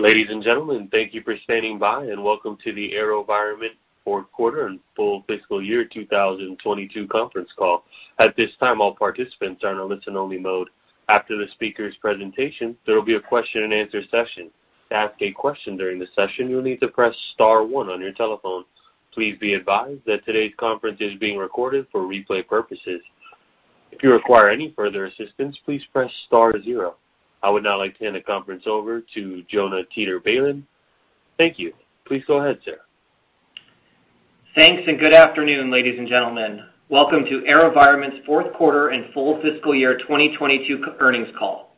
Ladies and gentlemen, thank you for standing by, and welcome to the AeroVironment fourth quarter and full fiscal year 2022 conference call. At this time, all participants are in a listen-only mode. After the speaker's presentation, there will be a question-and-answer session. To ask a question during the session, you'll need to press star one on your telephone. Please be advised that today's conference is being recorded for replay purposes. If you require any further assistance, please press star zero. I would now like to hand the conference over to Jonah Teeter-Balin. Thank you. Please go ahead, sir. Thanks, and good afternoon, ladies and gentlemen. Welcome to AeroVironment's fourth quarter and full fiscal year 2022 earnings call.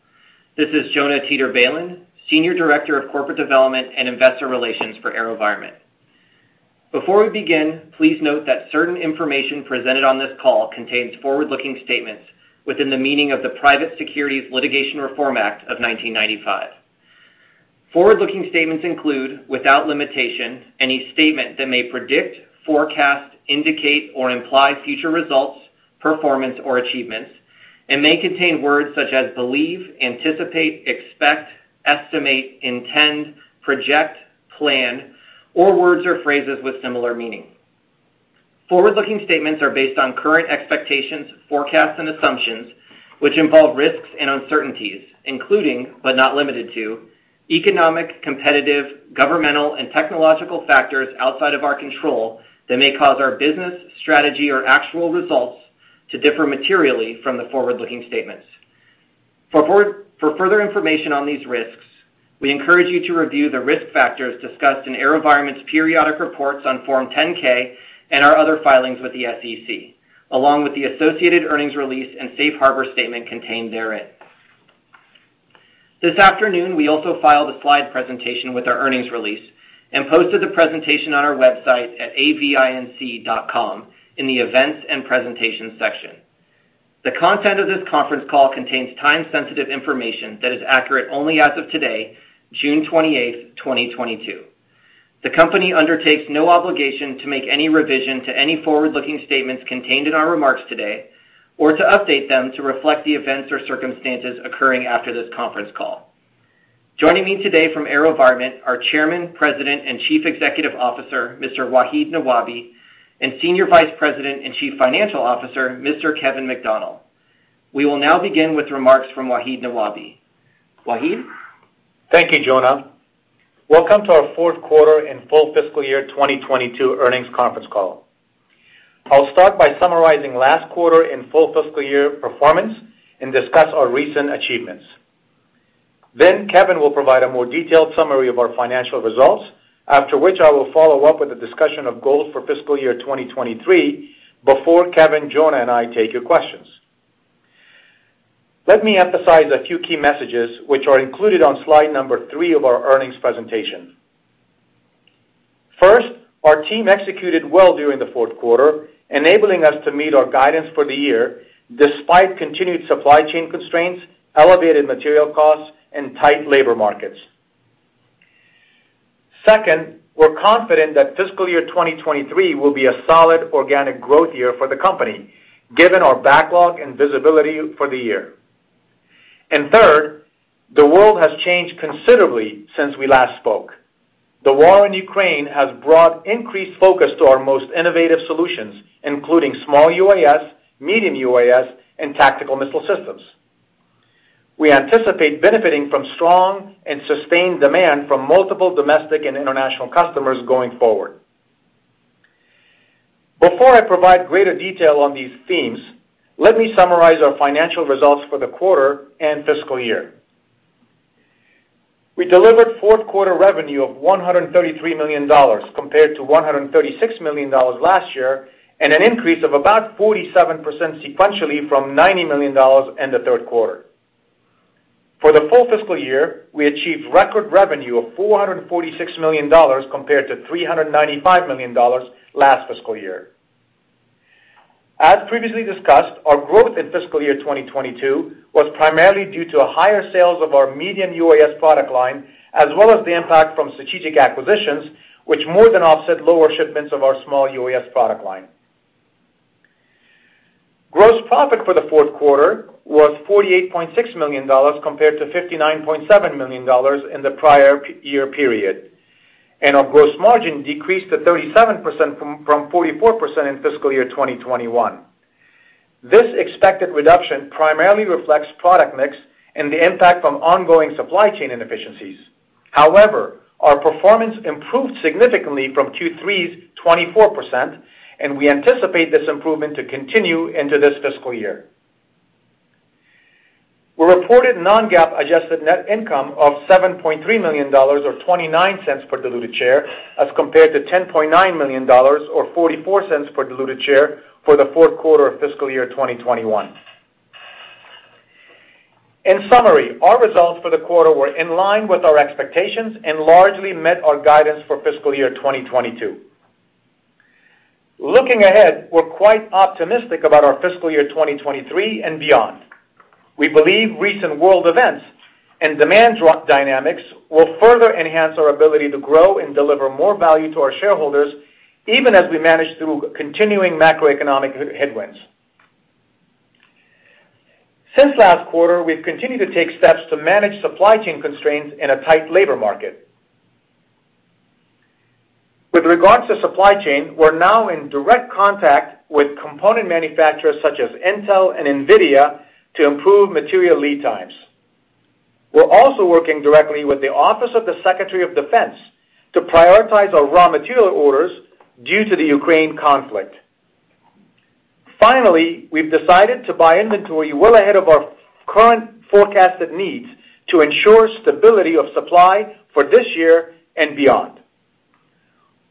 This is Jonah Teeter-Balin, Senior Director of Corporate Development and Investor Relations for AeroVironment. Before we begin, please note that certain information presented on this call contains forward-looking statements within the meaning of the Private Securities Litigation Reform Act of 1995. Forward-looking statements include, without limitation, any statement that may predict, forecast, indicate, or imply future results, performance, or achievements and may contain words such as believe, anticipate, expect, estimate, intend, project, plan, or words or phrases with similar meaning. Forward-looking statements are based on current expectations, forecasts, and assumptions which involve risks and uncertainties including, but not limited to, economic, competitive, governmental, and technological factors outside of our control that may cause our business strategy or actual results to differ materially from the forward-looking statements. For further information on these risks, we encourage you to review the risk factors discussed in AeroVironment's periodic reports on Form 10-K and our other filings with the SEC, along with the associated earnings release and Safe Harbor statement contained therein. This afternoon, we also filed a slide presentation with our earnings release and posted the presentation on our website at avinc.com in the Events & Presentation section. The content of this conference call contains time-sensitive information that is accurate only as of today, June 28th, 2022. The company undertakes no obligation to make any revision to any forward-looking statements contained in our remarks today or to update them to reflect the events or circumstances occurring after this conference call. Joining me today from AeroVironment are Chairman, President, and Chief Executive Officer, Mr. Wahid Nawabi, and Senior Vice President and Chief Financial Officer, Mr. Kevin McDonnell. We will now begin with remarks from Wahid Nawabi. Wahid. Thank you, Jonah. Welcome to our fourth quarter and full fiscal year 2022 earnings conference call. I'll start by summarizing last quarter and full fiscal year performance and discuss our recent achievements. Then Kevin will provide a more detailed summary of our financial results, after which I will follow up with a discussion of goals for fiscal year 2023 before Kevin, Jonah, and I take your questions. Let me emphasize a few key messages which are included on slide number three of our earnings presentation. First, our team executed well during the fourth quarter, enabling us to meet our guidance for the year despite continued supply chain constraints, elevated material costs, and tight labor markets. Second, we're confident that fiscal year 2023 will be a solid organic growth year for the company given our backlog and visibility for the year. Third, the world has changed considerably since we last spoke. The war in Ukraine has brought increased focus to our most innovative solutions, including small UAS, medium UAS, and tactical missile systems. We anticipate benefiting from strong and sustained demand from multiple domestic and international customers going forward. Before I provide greater detail on these themes, let me summarize our financial results for the quarter and fiscal year. We delivered fourth quarter revenue of $133 million compared to $136 million last year and an increase of about 47% sequentially from $90 million in the third quarter. For the full fiscal year, we achieved record revenue of $446 million compared to $395 million last fiscal year. As previously discussed, our growth in fiscal year 2022 was primarily due to higher sales of our medium UAS product line as well as the impact from strategic acquisitions which more than offset lower shipments of our small UAS product line. Gross profit for the fourth quarter was $48.6 million compared to $59.7 million in the prior year period, and our gross margin decreased to 37% from 44% in fiscal year 2021. This expected reduction primarily reflects product mix and the impact from ongoing supply chain inefficiencies. However, our performance improved significantly from Q3's 24%, and we anticipate this improvement to continue into this fiscal year. We reported non-GAAP adjusted net income of $7.3 million or $0.29 per diluted share as compared to $10.9 million or $0.44 per diluted share for the fourth quarter of fiscal year 2021. In summary, our results for the quarter were in line with our expectations and largely met our guidance for fiscal year 2022. Looking ahead, we're quite optimistic about our fiscal year 2023 and beyond. We believe recent world events and demand dynamics will further enhance our ability to grow and deliver more value to our shareholders even as we manage through continuing macroeconomic headwinds. Since last quarter, we've continued to take steps to manage supply chain constraints in a tight labor market. With regards to supply chain, we're now in direct contact with component manufacturers such as Intel and NVIDIA to improve material lead times. We're also working directly with the Office of the Secretary of Defense to prioritize our raw material orders due to the Ukraine conflict. Finally, we've decided to buy inventory well ahead of our current forecasted needs to ensure stability of supply for this year and beyond.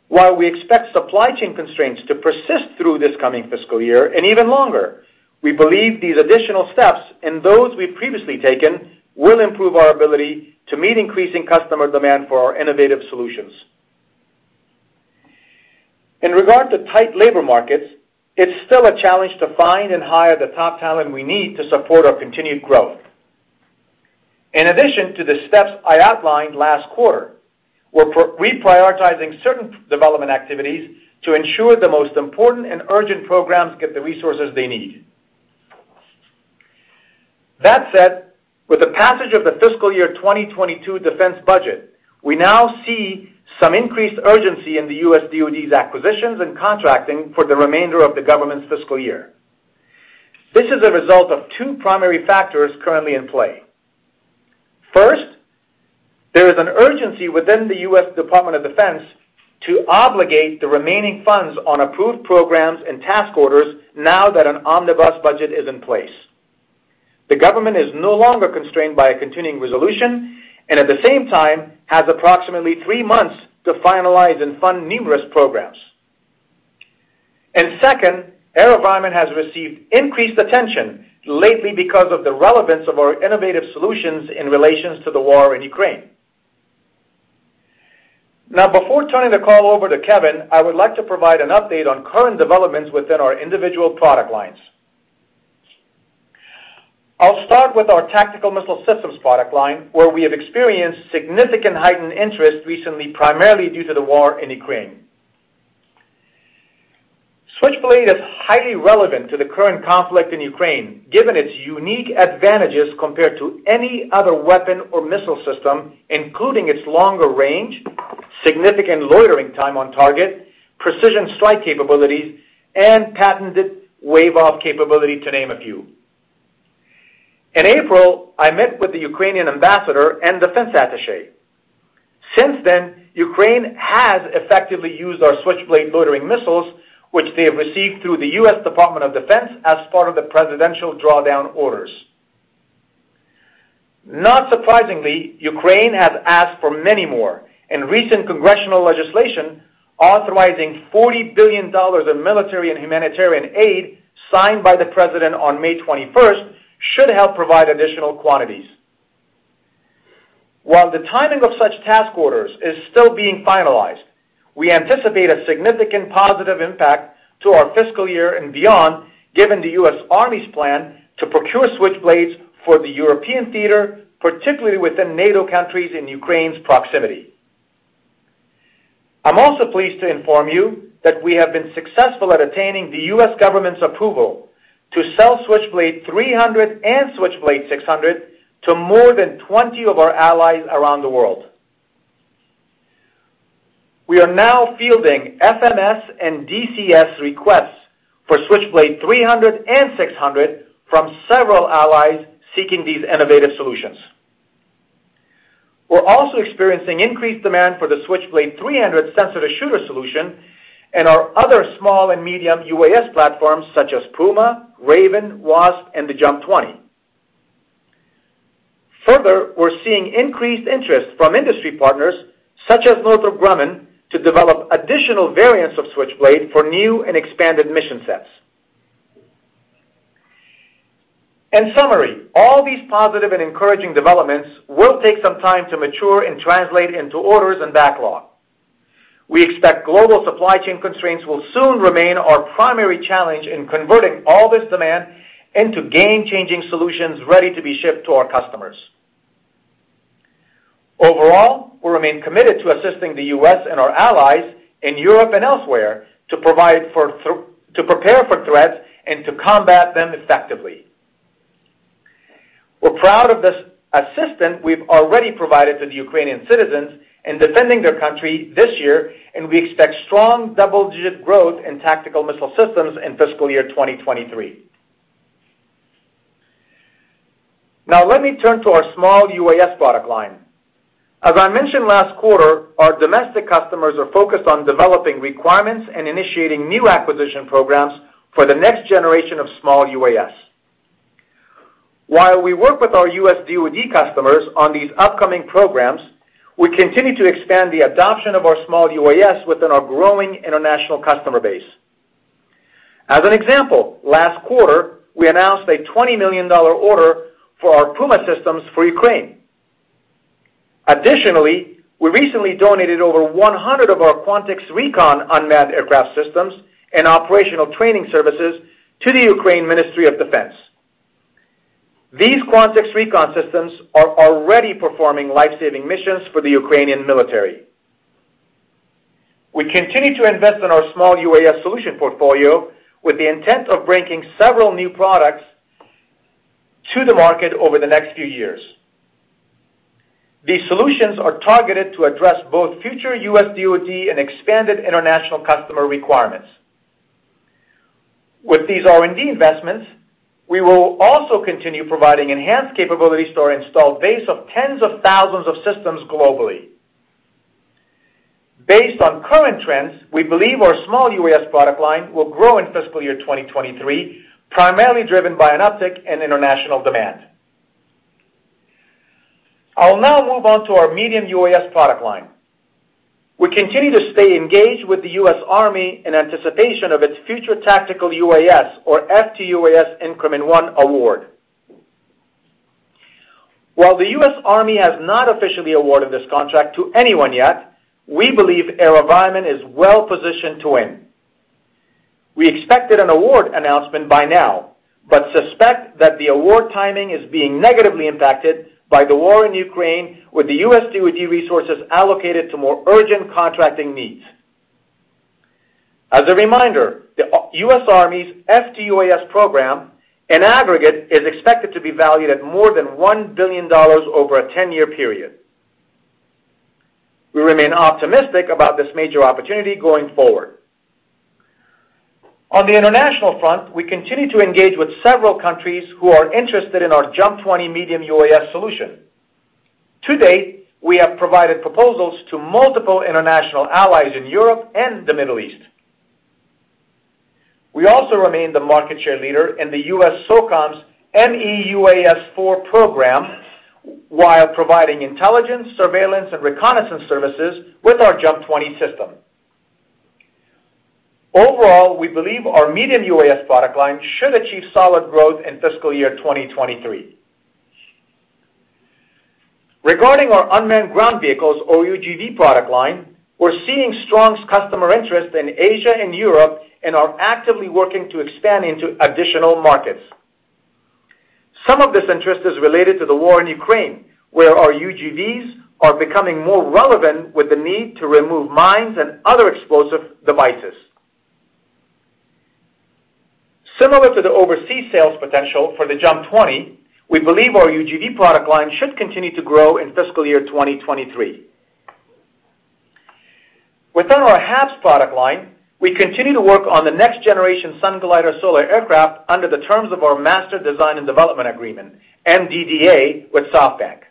While we expect supply chain constraints to persist through this coming fiscal year and even longer, we believe these additional steps and those we've previously taken will improve our ability to meet increasing customer demand for our innovative solutions. In regard to tight labor markets, it's still a challenge to find and hire the top talent we need to support our continued growth. In addition to the steps I outlined last quarter, we're reprioritizing certain development activities to ensure the most important and urgent programs get the resources they need. That said, with the passage of the fiscal year 2022 defense budget, we now see some increased urgency in the U.S. DoD's acquisitions and contracting for the remainder of the government's fiscal year. This is a result of two primary factors currently in play. First, there is an urgency within the U.S. Department of Defense to obligate the remaining funds on approved programs and task orders now that an omnibus budget is in place. The government is no longer constrained by a continuing resolution, and at the same time, has approximately three months to finalize and fund numerous programs. Second, AeroVironment has received increased attention lately because of the relevance of our innovative solutions in relations to the war in Ukraine. Now, before turning the call over to Kevin, I would like to provide an update on current developments within our individual product lines. I'll start with our tactical missile systems product line, where we have experienced significant heightened interest recently, primarily due to the war in Ukraine. Switchblade is highly relevant to the current conflict in Ukraine, given its unique advantages compared to any other weapon or missile system, including its longer range, significant loitering time on target, precision strike capabilities, and patented wave-off capability, to name a few. In April, I met with the Ukrainian ambassador and defense attache. Since then, Ukraine has effectively used our Switchblade loitering missiles, which they have received through the U.S. Department of Defense as part of the presidential drawdown orders. Not surprisingly, Ukraine has asked for many more. In recent congressional legislation, authorizing $40 billion in military and humanitarian aid signed by the President on May, 21st should help provide additional quantities. While the timing of such task orders is still being finalized, we anticipate a significant positive impact to our fiscal year and beyond, given the U.S. Army's plan to procure Switchblades for the European theater, particularly within NATO countries in Ukraine's proximity. I'm also pleased to inform you that we have been successful at attaining the U.S. government's approval to sell Switchblade 300 and Switchblade 600 to more than 20 of our allies around the world. We are now fielding FMS and DCS requests for Switchblade 300 and 600 from several allies seeking these innovative solutions. We're also experiencing increased demand for the Switchblade 300 sensor-to-shooter solution and our other small and medium UAS platforms such as Puma, Raven, Wasp, and the JUMP 20. Further, we're seeing increased interest from industry partners such as Northrop Grumman to develop additional variants of Switchblade for new and expanded mission sets. In summary, all these positive and encouraging developments will take some time to mature and translate into orders and backlog. We expect global supply chain constraints will soon remain our primary challenge in converting all this demand into game-changing solutions ready to be shipped to our customers. Overall, we remain committed to assisting the U.S. and our allies in Europe and elsewhere to prepare for threats and to combat them effectively. We're proud of this assistance we've already provided to the Ukrainian citizens in defending their country this year, and we expect strong double-digit growth in tactical missile systems in fiscal year 2023. Now let me turn to our small UAS product line. As I mentioned last quarter, our domestic customers are focused on developing requirements and initiating new acquisition programs for the next generation of small UAS. While we work with our U.S. DoD customers on these upcoming programs, we continue to expand the adoption of our small UAS within our growing international customer base. As an example, last quarter, we announced a $20 million order for our Puma systems for Ukraine. Additionally, we recently donated over 100 of our Quantix Recon unmanned aircraft systems and operational training services to the Ministry of Defense of Ukraine. These Quantix Recon systems are already performing life-saving missions for the Ukrainian military. We continue to invest in our small UAS solution portfolio with the intent of bringing several new products to the market over the next few years. These solutions are targeted to address both future U.S. DoD and expanded international customer requirements. With these R&D investments, we will also continue providing enhanced capabilities to our installed base of tens of thousands of systems globally. Based on current trends, we believe our small UAS product line will grow in fiscal year 2023, primarily driven by an uptick in international demand. I'll now move on to our medium UAS product line. We continue to stay engaged with the U.S. Army in anticipation of its future tactical UAS or FTUAS increment one award. While the U.S. Army has not officially awarded this contract to anyone yet, we believe AeroVironment is well-positioned to win. We expected an award announcement by now, but suspect that the award timing is being negatively impacted by the war in Ukraine, with the U.S. DoD resources allocated to more urgent contracting needs. As a reminder, the U.S. Army's FTUAS program, in aggregate, is expected to be valued at more than $1 billion over a 10-year period. We remain optimistic about this major opportunity going forward. On the international front, we continue to engage with several countries who are interested in our JUMP 20 medium UAS solution. To date, we have provided proposals to multiple international allies in Europe and the Middle East. We also remain the market share leader in the U.S. SOCOM's MEUAS-4 program while providing intelligence, surveillance, and reconnaissance services with our JUMP 20 system. Overall, we believe our medium UAS product line should achieve solid growth in fiscal year 2023. Regarding our unmanned ground vehicles or UGV product line, we're seeing strong customer interest in Asia and Europe and are actively working to expand into additional markets. Some of this interest is related to the war in Ukraine, where our UGVs are becoming more relevant with the need to remove mines and other explosive devices. Similar to the overseas sales potential for the JUMP 20, we believe our UGV product line should continue to grow in fiscal year 2023. Within our HAPS product line, we continue to work on the next-generation Sunglider solar aircraft under the terms of our master design and development agreement, MDDA, with SoftBank.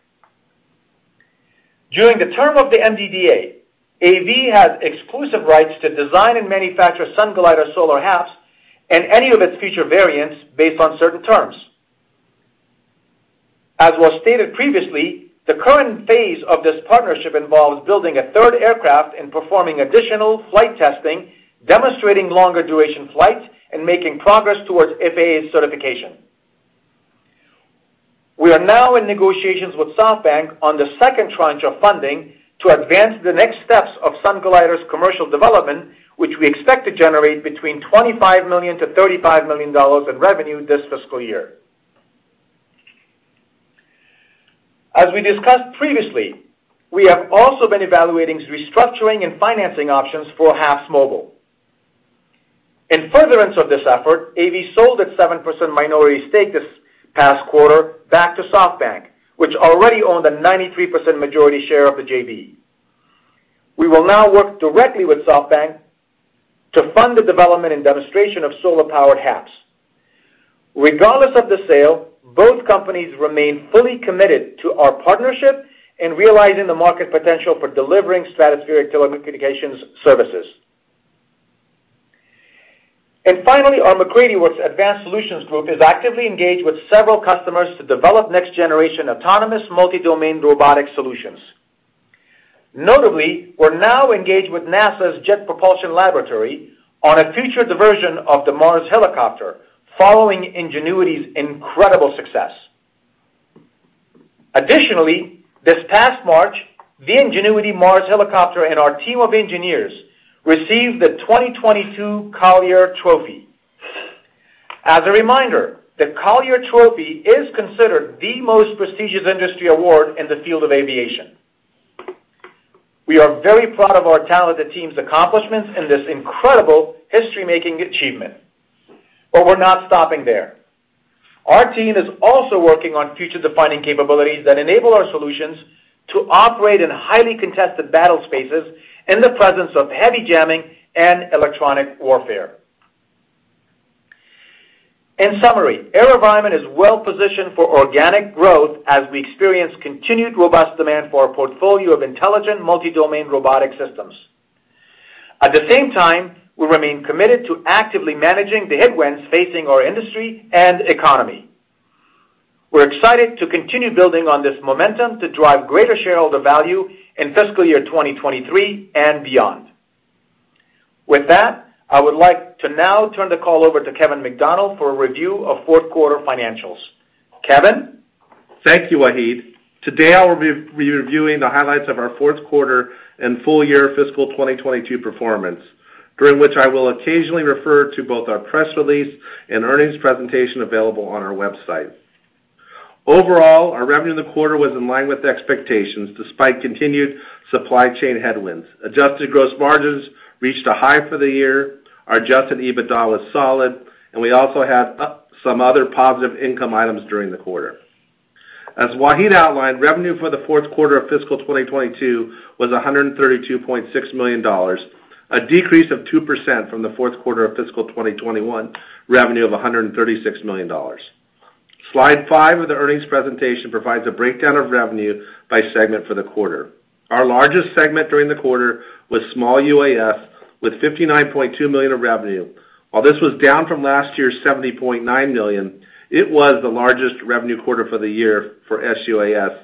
During the term of the MDDA, AV has exclusive rights to design and manufacture Sunglider solar HAPS and any of its future variants based on certain terms. As was stated previously, the current phase of this partnership involves building a third aircraft and performing additional flight testing, demonstrating longer-duration flights, and making progress towards FAA certification. We are now in negotiations with SoftBank on the second tranche of funding to advance the next steps of Sunglider's commercial development, which we expect to generate between $25 million-$35 million in revenue this fiscal year. As we discussed previously, we have also been evaluating restructuring and financing options for HAPSMobile. In furtherance of this effort, AV sold its 7% minority stake this past quarter back to SoftBank, which already owned a 93% majority share of the JV. We will now work directly with SoftBank to fund the development and demonstration of solar-powered HAPS. Regardless of the sale, both companies remain fully committed to our partnership in realizing the market potential for delivering stratospheric telecommunications services. Finally, our MacCready Works Advanced Solutions Group is actively engaged with several customers to develop next-generation autonomous multi-domain robotic solutions. Notably, we're now engaged with NASA's Jet Propulsion Laboratory on a future diversion of the Mars helicopter following Ingenuity's incredible success. Additionally, this past March, the Ingenuity Mars Helicopter and our team of engineers received the 2022 Collier Trophy. As a reminder, the Collier Trophy is considered the most prestigious industry award in the field of aviation. We are very proud of our talented team's accomplishments and this incredible history-making achievement. We're not stopping there. Our team is also working on future-defining capabilities that enable our solutions to operate in highly contested battle spaces in the presence of heavy jamming and electronic warfare. In summary, AeroVironment is well-positioned for organic growth as we experience continued robust demand for our portfolio of intelligent multi-domain robotic systems. At the same time, we remain committed to actively managing the headwinds facing our industry and economy. We're excited to continue building on this momentum to drive greater shareholder value in fiscal year 2023 and beyond. With that, I would like to now turn the call over to Kevin McDonnell for a review of fourth quarter financials. Kevin? Thank you, Wahid. Today I will be reviewing the highlights of our fourth quarter and full year fiscal 2022 performance, during which I will occasionally refer to both our press release and earnings presentation available on our website. Overall, our revenue in the quarter was in line with expectations, despite continued supply chain headwinds. Adjusted gross margins reached a high for the year. Our adjusted EBITDA was solid, and we also had some other positive income items during the quarter. As Wahid outlined, revenue for the fourth quarter of fiscal 2022 was $132.6 million, a decrease of 2% from the fourth quarter of fiscal 2021 revenue of $136 million. Slide five of the earnings presentation provides a breakdown of revenue by segment for the quarter. Our largest segment during the quarter was small UAS, with $59.2 million of revenue. While this was down from last year's $70.9 million, it was the largest revenue quarter for the year for SUAS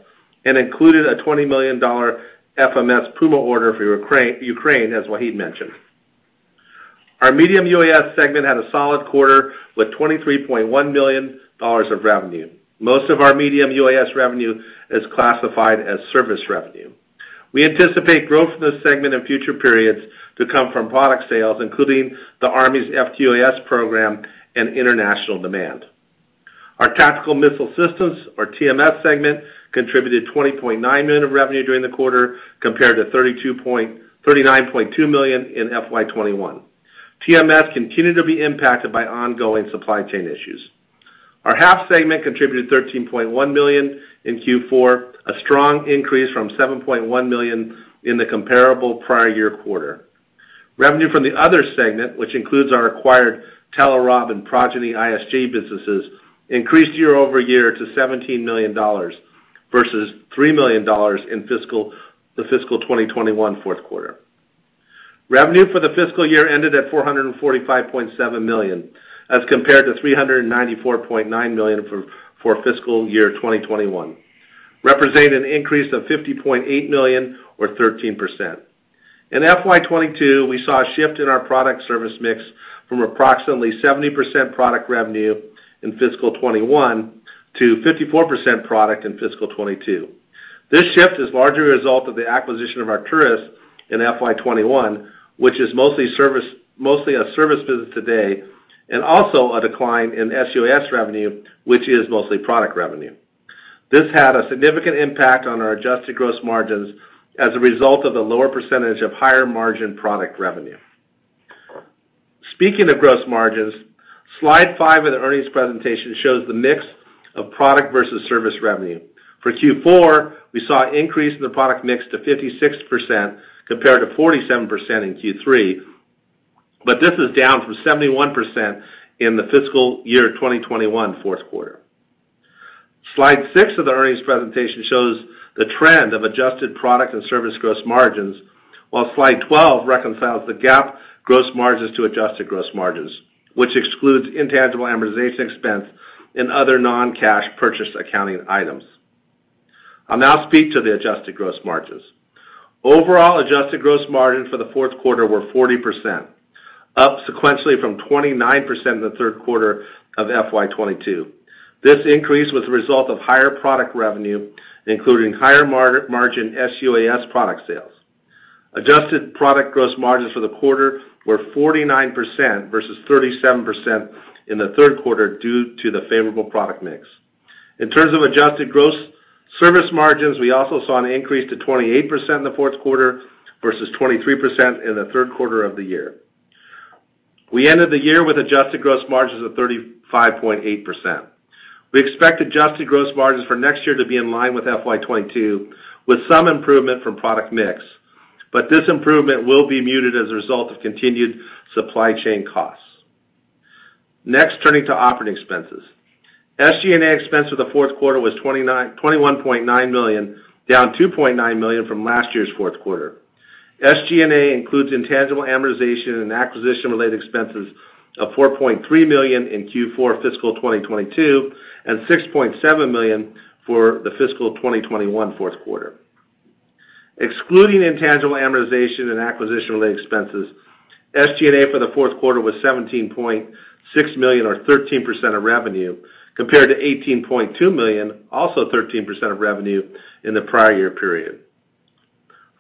and included a $20 million FMS Puma order for Ukraine, as Wahid mentioned. Our medium UAS segment had a solid quarter with $23.1 million of revenue. Most of our medium UAS revenue is classified as service revenue. We anticipate growth in this segment in future periods to come from product sales, including the Army's FTUAS program and international demand. Our tactical missile systems, our TMS segment, contributed $20.9 million of revenue during the quarter compared to $39.2 million in FY 2021. TMS continued to be impacted by ongoing supply chain issues. Our HAF segment contributed $13.1 million in Q4, a strong increase from $7.1 million in the comparable prior year quarter. Revenue from the other segment, which includes our acquired Telerob and Progeny ISG businesses, increased year-over-year to $17 million versus $3 million in fiscal 2021 fourth quarter. Revenue for the fiscal year ended at $445.7 million as compared to $394.9 million for fiscal year 2021, representing an increase of $50.8 million or 13%. In FY 2022, we saw a shift in our product service mix from approximately 70% product revenue in fiscal 2021 to 54% product in fiscal 2022. This shift is largely a result of the acquisition of Arcturus in FY 2021, which is mostly a service business today, and also a decline in SUAS revenue, which is mostly product revenue. This had a significant impact on our adjusted gross margins as a result of the lower percentage of higher margin product revenue. Speaking of gross margins, slide five of the earnings presentation shows the mix of product versus service revenue. For Q4, we saw an increase in the product mix to 56% compared to 47% in Q3, but this is down from 71% in the fiscal year 2021 fourth quarter. Slide six of the earnings presentation shows the trend of adjusted product and service gross margins, while slide 12 reconciles the GAAP gross margins to adjusted gross margins, which excludes intangible amortization expense and other non-cash purchase accounting items. I'll now speak to the adjusted gross margins. Overall, adjusted gross margins for the fourth quarter were 40%, up sequentially from 29% in the third quarter of FY 2022. This increase was the result of higher product revenue, including higher margin SUAS product sales. Adjusted product gross margins for the quarter were 49% versus 37% in the third quarter due to the favorable product mix. In terms of adjusted gross service margins, we also saw an increase to 28% in the fourth quarter versus 23% in the third quarter of the year. We ended the year with adjusted gross margins of 35.8%. We expect adjusted gross margins for next year to be in line with FY 2022, with some improvement from product mix, but this improvement will be muted as a result of continued supply chain costs. Next, turning to operating expenses. SG&A expense for the fourth quarter was $21.9 million, down $2.9 million from last year's fourth quarter. SG&A includes intangible amortization and acquisition-related expenses of $4.3 million in Q4 fiscal 2022 and $6.7 million for the fiscal 2021 fourth quarter. Excluding intangible amortization and acquisition-related expenses, SG&A for the fourth quarter was $17.6 million or 13% of revenue, compared to $18.2 million, also 13% of revenue in the prior year period.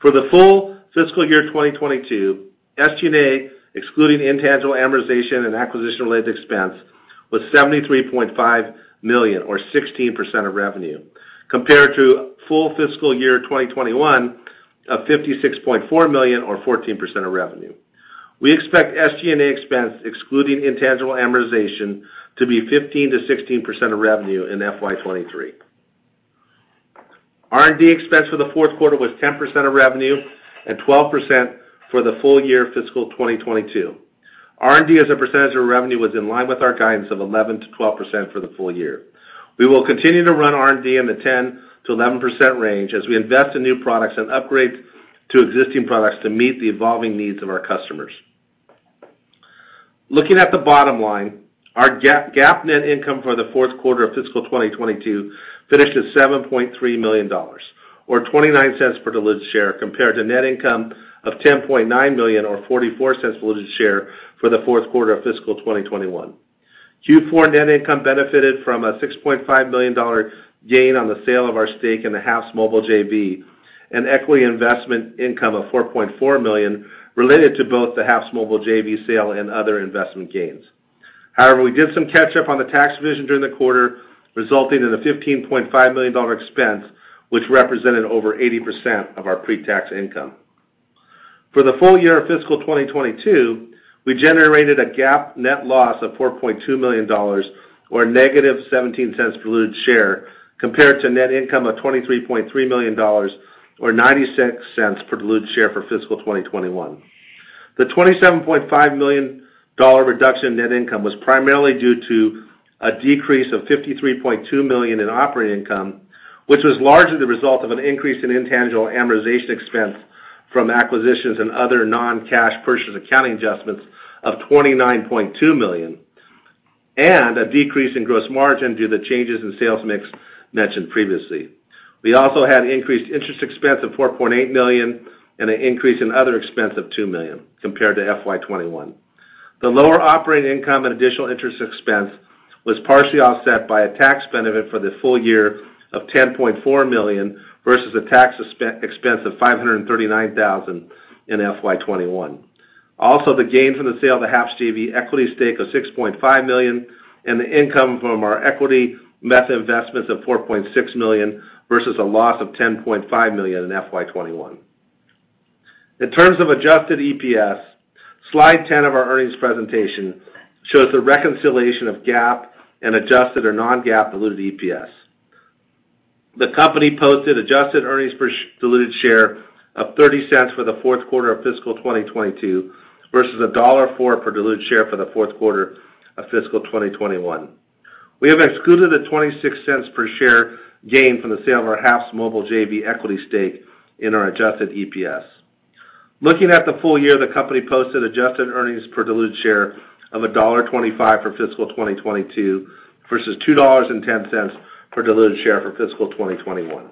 For the full fiscal year 2022, SG&A, excluding intangible amortization and acquisition-related expense, was $73.5 million or 16% of revenue, compared to full fiscal year 2021 of $56.4 million or 14% of revenue. We expect SG&A expense excluding intangible amortization to be 15%-16% of revenue in FY 2023. R&D expense for the fourth quarter was 10% of revenue and 12% for the full year fiscal 2022. R&D as a percentage of revenue was in line with our guidance of 11%-12% for the full year. We will continue to run R&D in the 10%-11% range as we invest in new products and upgrade to existing products to meet the evolving needs of our customers. Looking at the bottom line, our GAAP net income for the fourth quarter of fiscal 2022 finished at $7.3 million or $0.29 per diluted share, compared to net income of $10.9 million or $0.44 per diluted share for the fourth quarter of fiscal 2021. Q4 net income benefited from a $6.5 million gain on the sale of our stake in the HAPSMobile JV. Equity investment income of $4.4 million related to both the HAPSMobile JV sale and other investment gains. However, we did some catch up on the tax provision during the quarter, resulting in a $15.5 million expense, which represented over 80% of our pre-tax income. For the full year of fiscal 2022, we generated a GAAP net loss of $4.2 million, or -$0.17 per diluted share, compared to net income of $23.3 million or $0.96 per diluted share for fiscal 2021. The $27.5 million reduction in net income was primarily due to a decrease of $53.2 million in operating income, which was largely the result of an increase in intangible amortization expense from acquisitions and other non-cash purchase accounting adjustments of $29.2 million, and a decrease in gross margin due to changes in sales mix mentioned previously. We also had increased interest expense of $4.8 million and an increase in other expense of $2 million compared to FY 2021. The lower operating income and additional interest expense was partially offset by a tax benefit for the full year of $10.4 million, versus a tax expense of $539,000 in FY 2021. Also, the gain from the sale of the HAPS JV equity stake of $6.5 million and the income from our equity method investments of $4.6 million versus a loss of $10.5 million in FY 2021. In terms of adjusted EPS, slide 10 of our earnings presentation shows a reconciliation of GAAP and adjusted or non-GAAP diluted EPS. The company posted adjusted earnings per diluted share of $0.30 for the fourth quarter of fiscal 2022 versus $1.04 per diluted share for the fourth quarter of fiscal 2021. We have excluded the $0.26 per share gain from the sale of our HAPSMobile JV equity stake in our adjusted EPS. Looking at the full year, the company posted adjusted earnings per diluted share of $1.25 for fiscal 2022 versus $2.10 per diluted share for fiscal 2021.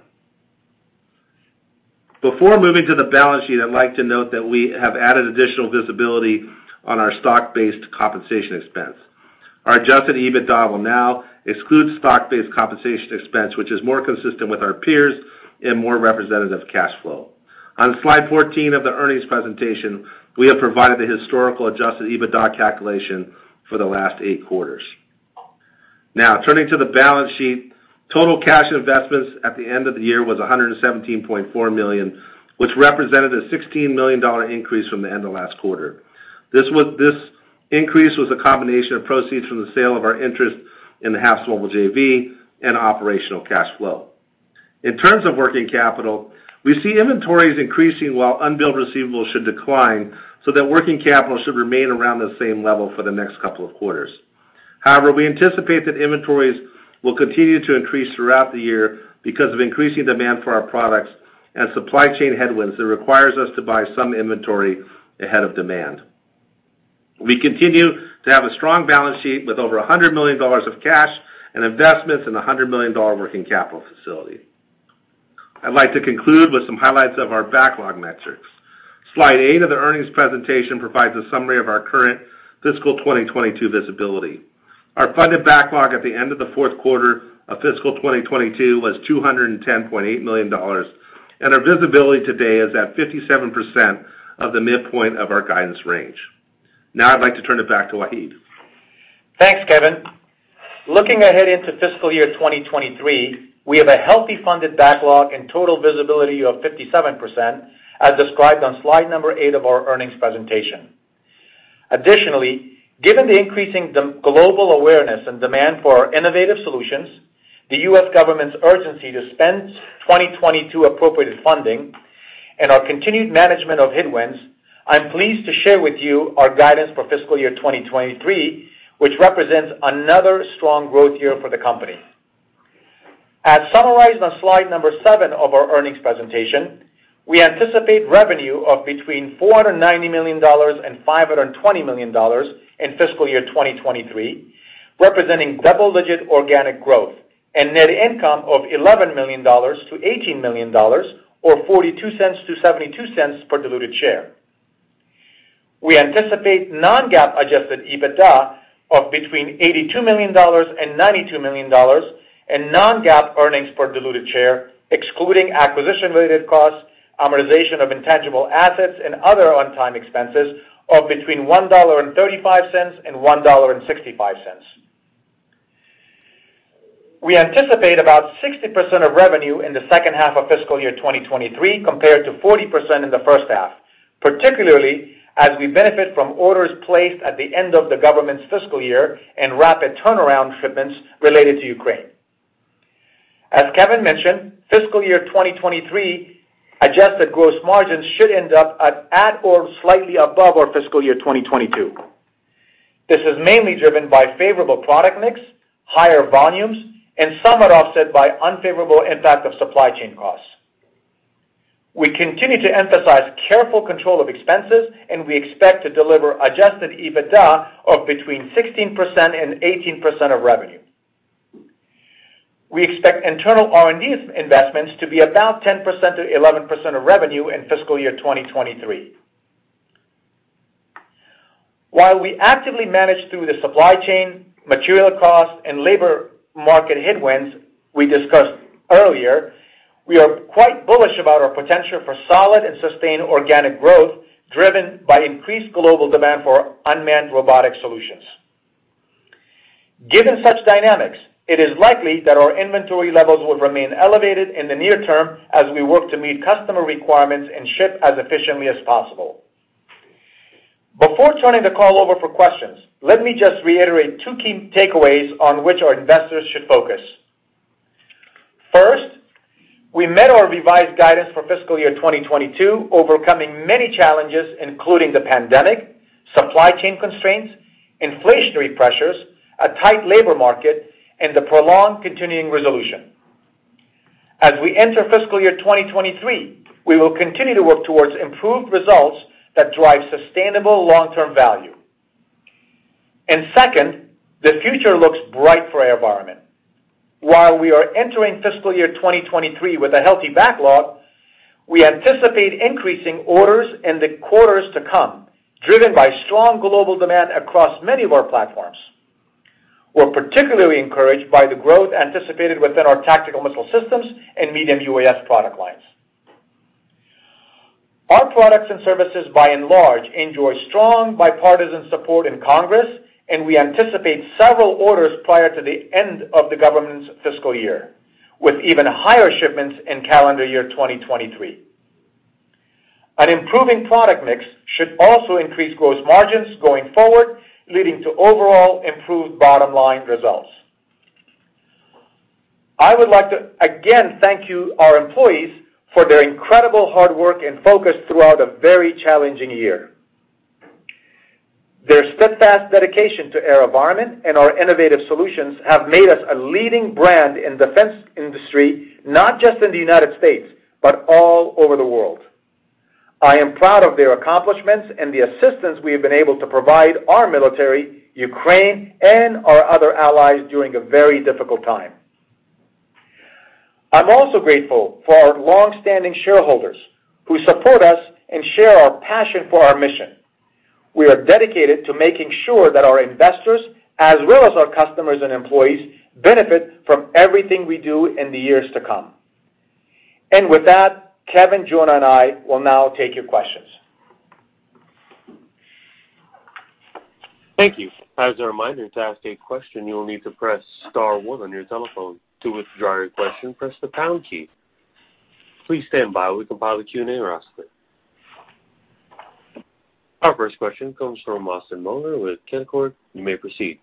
Before moving to the balance sheet, I'd like to note that we have added additional visibility on our stock-based compensation expense. Our adjusted EBITDA will now exclude stock-based compensation expense, which is more consistent with our peers and more representative of cash flow. On slide 14 of the earnings presentation, we have provided the historical adjusted EBITDA calculation for the last eight quarters. Now turning to the balance sheet. Total cash investments at the end of the year was $117.4 million, which represented a $16 million increase from the end of last quarter. This increase was a combination of proceeds from the sale of our interest in the HAPSMobile JV and operational cash flow. In terms of working capital, we see inventories increasing, while unbilled receivables should decline, so that working capital should remain around the same level for the next couple of quarters. However, we anticipate that inventories will continue to increase throughout the year because of increasing demand for our products and supply chain headwinds that requires us to buy some inventory ahead of demand. We continue to have a strong balance sheet with over $100 million of cash and investments in a $100 million working capital facility. I'd like to conclude with some highlights of our backlog metrics. Slide eight of the earnings presentation provides a summary of our current fiscal 2022 visibility. Our funded backlog at the end of the fourth quarter of fiscal 2022 was $210.8 million, and our visibility today is at 57% of the midpoint of our guidance range. Now I'd like to turn it back to Wahid. Thanks, Kevin. Looking ahead into fiscal year 2023, we have a healthy funded backlog and total visibility of 57%, as described on slide number eight of our earnings presentation. Additionally, given the increasing global awareness and demand for our innovative solutions, the U.S. government's urgency to spend 2022 appropriated funding, and our continued management of headwinds, I'm pleased to share with you our guidance for fiscal year 2023, which represents another strong growth year for the company. As summarized on slide number seven of our earnings presentation, we anticipate revenue of between $490 million-$520 million in fiscal year 2023, representing double-digit organic growth and net income of $11 million-$18 million or $0.42-$0.72 per diluted share. We anticipate non-GAAP adjusted EBITDA of between $82 million and $92 million, and non-GAAP earnings per diluted share, excluding acquisition-related costs, amortization of intangible assets and other untimed expenses of between $1.35 and $1.65. We anticipate about 60% of revenue in the second half of fiscal year 2023 compared to 40% in the first half, particularly as we benefit from orders placed at the end of the government's fiscal year and rapid turnaround shipments related to Ukraine. As Kevin mentioned, fiscal year 2023 adjusted gross margins should end up at or slightly above our fiscal year 2022. This is mainly driven by favorable product mix, higher volumes, and somewhat offset by unfavorable impact of supply chain costs. We continue to emphasize careful control of expenses, and we expect to deliver adjusted EBITDA of between 16% and 18% of revenue. We expect internal R&D investments to be about 10%-11% of revenue in fiscal year 2023. While we actively manage through the supply chain, material costs, and labor market headwinds we discussed earlier, we are quite bullish about our potential for solid and sustained organic growth, driven by increased global demand for unmanned robotic solutions. Given such dynamics, it is likely that our inventory levels will remain elevated in the near term as we work to meet customer requirements and ship as efficiently as possible. Before turning the call over for questions, let me just reiterate two key takeaways on which our investors should focus. First, we met our revised guidance for fiscal year 2022, overcoming many challenges, including the pandemic, supply chain constraints, inflationary pressures, a tight labor market, and the prolonged continuing resolution. As we enter fiscal year 2023, we will continue to work towards improved results that drive sustainable long-term value. Second, the future looks bright for AeroVironment. While we are entering fiscal year 2023 with a healthy backlog, we anticipate increasing orders in the quarters to come, driven by strong global demand across many of our platforms. We're particularly encouraged by the growth anticipated within our tactical missile systems and medium UAS product lines. Our products and services, by and large, enjoy strong bipartisan support in Congress, and we anticipate several orders prior to the end of the government's fiscal year, with even higher shipments in calendar year 2023. An improving product mix should also increase gross margins going forward, leading to overall improved bottom-line results. I would like to again thank you, our employees for their incredible hard work and focus throughout a very challenging year. Their steadfast dedication to AeroVironment and our innovative solutions have made us a leading brand in defense industry, not just in the United States, but all over the world. I am proud of their accomplishments and the assistance we have been able to provide our military, Ukraine, and our other allies during a very difficult time. I'm also grateful for our long-standing shareholders who support us and share our passion for our mission. We are dedicated to making sure that our investors, as well as our customers and employees, benefit from everything we do in the years to come. With that, Kevin, Jonah, and I will now take your questions. Thank you. As a reminder, to ask a question, you will need to press star one on your telephone. To withdraw your question, press the pound key. Please stand by. We compile the Q&A roster. Our first question comes from Austin Moeller with Canaccord. You may proceed.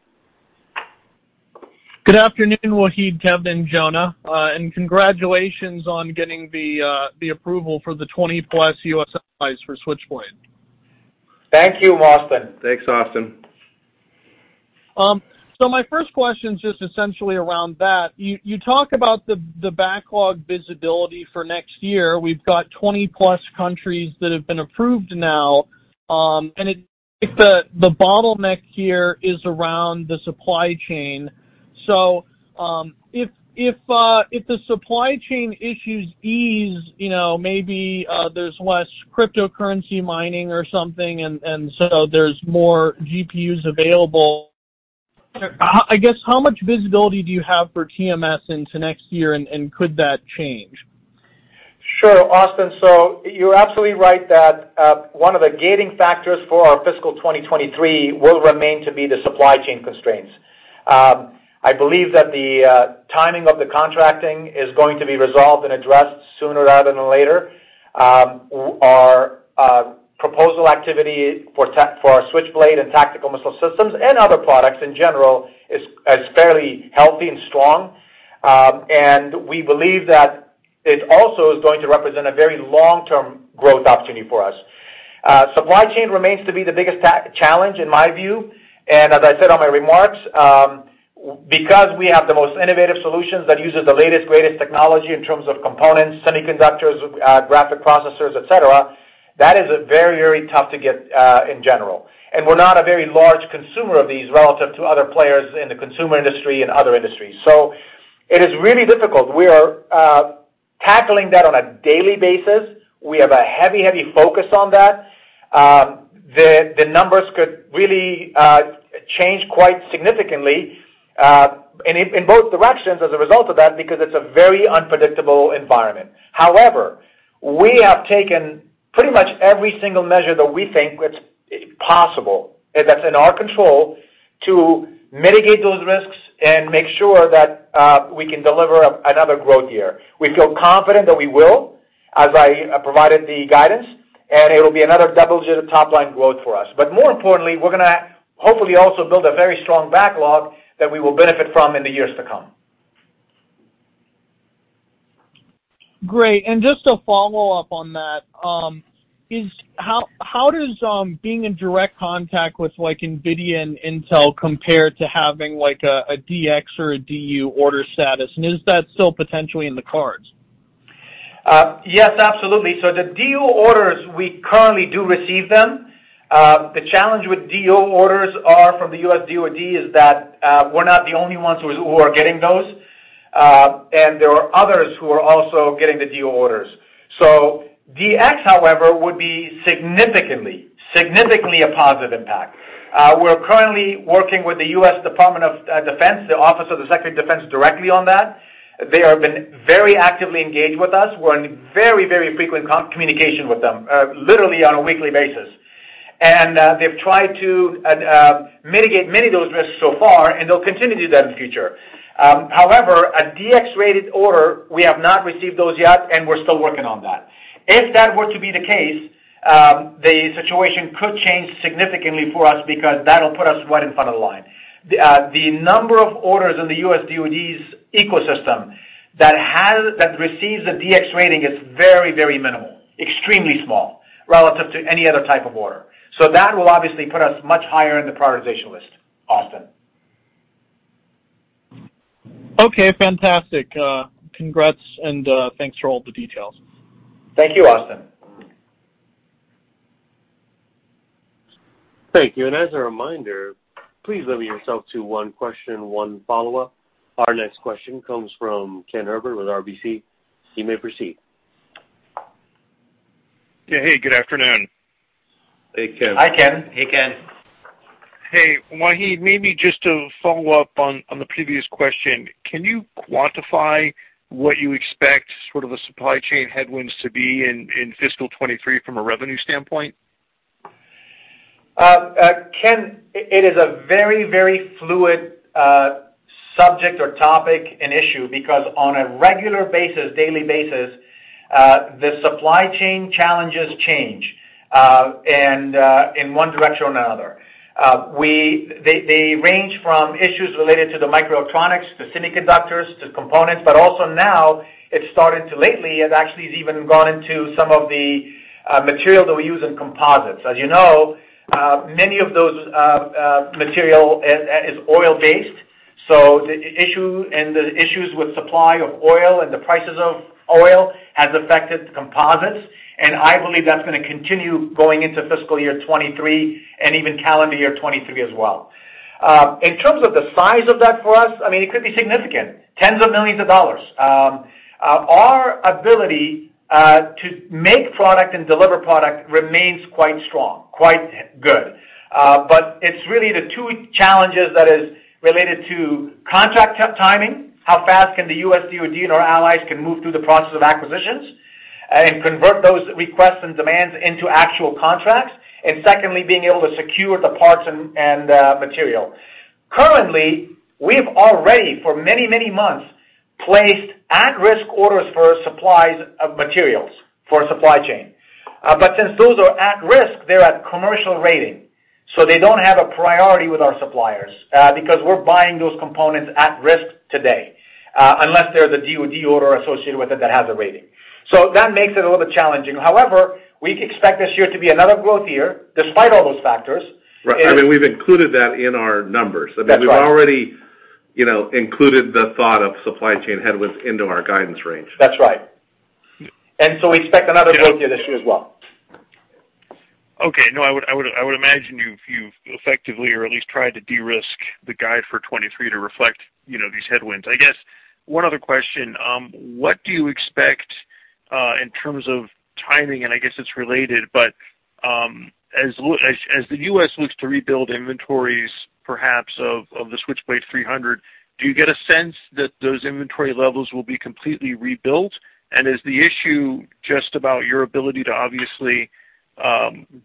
Good afternoon, Wahid, Kevin, Jonah, and congratulations on getting the approval for the 20+ U.S. supplies for Switchblade. Thank you, Austin. Thanks, Austin. My first question is just essentially around that. You talk about the backlog visibility for next year. We've got 20+ countries that have been approved now, and the bottleneck here is around the supply chain. If the supply chain issues ease, you know, maybe there's less cryptocurrency mining or something, and so there's more GPUs available. I guess how much visibility do you have for TMS into next year, and could that change? Sure, Austin. You're absolutely right that one of the gating factors for our fiscal 2023 will remain to be the supply chain constraints. I believe that the timing of the contracting is going to be resolved and addressed sooner rather than later. Our proposal activity for our Switchblade and tactical missile systems and other products in general is fairly healthy and strong. We believe that it also is going to represent a very long-term growth opportunity for us. Supply chain remains to be the biggest challenge in my view. As I said in my remarks, because we have the most innovative solutions that uses the latest, greatest technology in terms of components, semiconductors, graphics processors, et cetera, that is very, very tough to get in general. We're not a very large consumer of these relative to other players in the consumer industry and other industries. It is really difficult. We are tackling that on a daily basis. We have a heavy focus on that. The numbers could really change quite significantly in both directions as a result of that, because it's a very unpredictable environment. However, we have taken pretty much every single measure that we think it's possible, that's in our control to mitigate those risks and make sure that we can deliver another growth year. We feel confident that we will, as I provided the guidance, and it'll be another double-digit top line growth for us. More importantly, we're gonna hopefully also build a very strong backlog that we will benefit from in the years to come. Great. Just to follow up on that, how does being in direct contact with, like, NVIDIA and Intel compare to having like a DX or a DO order status? Is that still potentially in the cards? Yes, absolutely. The DO orders, we currently do receive them. The challenge with DO orders from the U.S. DoD is that, we're not the only ones who are getting those. There are others who are also getting the DO orders. DX, however, would be significantly a positive impact. We're currently working with the U.S. Department of Defense, the Office of the Secretary of Defense, directly on that. They have been very actively engaged with us. We're in very frequent communication with them, literally on a weekly basis. They've tried to mitigate many of those risks so far, and they'll continue to do that in the future. However, a DX-rated order, we have not received those yet, and we're still working on that. If that were to be the case, the situation could change significantly for us because that'll put us right in front of the line. The number of orders in the U.S. DoD's ecosystem that receives a DX rating is very, very minimal, extremely small relative to any other type of order. That will obviously put us much higher in the prioritization list, Austin. Okay, fantastic. Congrats, and thanks for all the details. Thank you, Austin. Thank you. As a reminder, please limit yourself to one question, one follow-up. Our next question comes from Ken Herbert with RBC. You may proceed. Yeah. Hey, good afternoon. Hey, Ken. Hi, Ken. Hey, Ken. Hey. Wahid, maybe just to follow up on the previous question, can you quantify what you expect sort of the supply chain headwinds to be in fiscal 2023 from a revenue standpoint? Ken, it is a very, very fluid subject or topic and issue because on a regular basis, daily basis, the supply chain challenges change, and in one direction or another. They range from issues related to the microelectronics, to semiconductors, to components, but also now it's started to lately, it actually has even gone into some of the material that we use in composites. As you know, many of those material is oil-based, so the issue and the issues with supply of oil and the prices of oil has affected composites, and I believe that's gonna continue going into fiscal year 2023 and even calendar year 2022 as well. In terms of the size of that for us, I mean, it could be significant, $10s of millions. Our ability to make product and deliver product remains quite strong, quite good. It's really the two challenges that is related to contract timing, how fast can the U.S. DoD and our allies can move through the process of acquisitions, and convert those requests and demands into actual contracts, and secondly, being able to secure the parts and material. Currently, we've already for many, many months placed at-risk orders for supplies of materials for supply chain, but since those are at risk, they're at commercial rating, so they don't have a priority with our suppliers, because we're buying those components at risk today, unless there's a DoD order associated with it that has a rating. That makes it a little bit challenging. However, we expect this year to be another growth year despite all those factors. Right. I mean, we've included that in our numbers. That's right. I mean, we've already, you know, included the thought of supply chain headwinds into our guidance range. That's right. We expect another growth year this year as well. Okay. No, I would imagine you've effectively or at least tried to de-risk the guide for 2023 to reflect, you know, these headwinds. I guess one other question, what do you expect in terms of timing, and I guess it's related, but as the U.S. looks to rebuild inventories perhaps of the Switchblade 300, do you get a sense that those inventory levels will be completely rebuilt? Is the issue just about your ability to obviously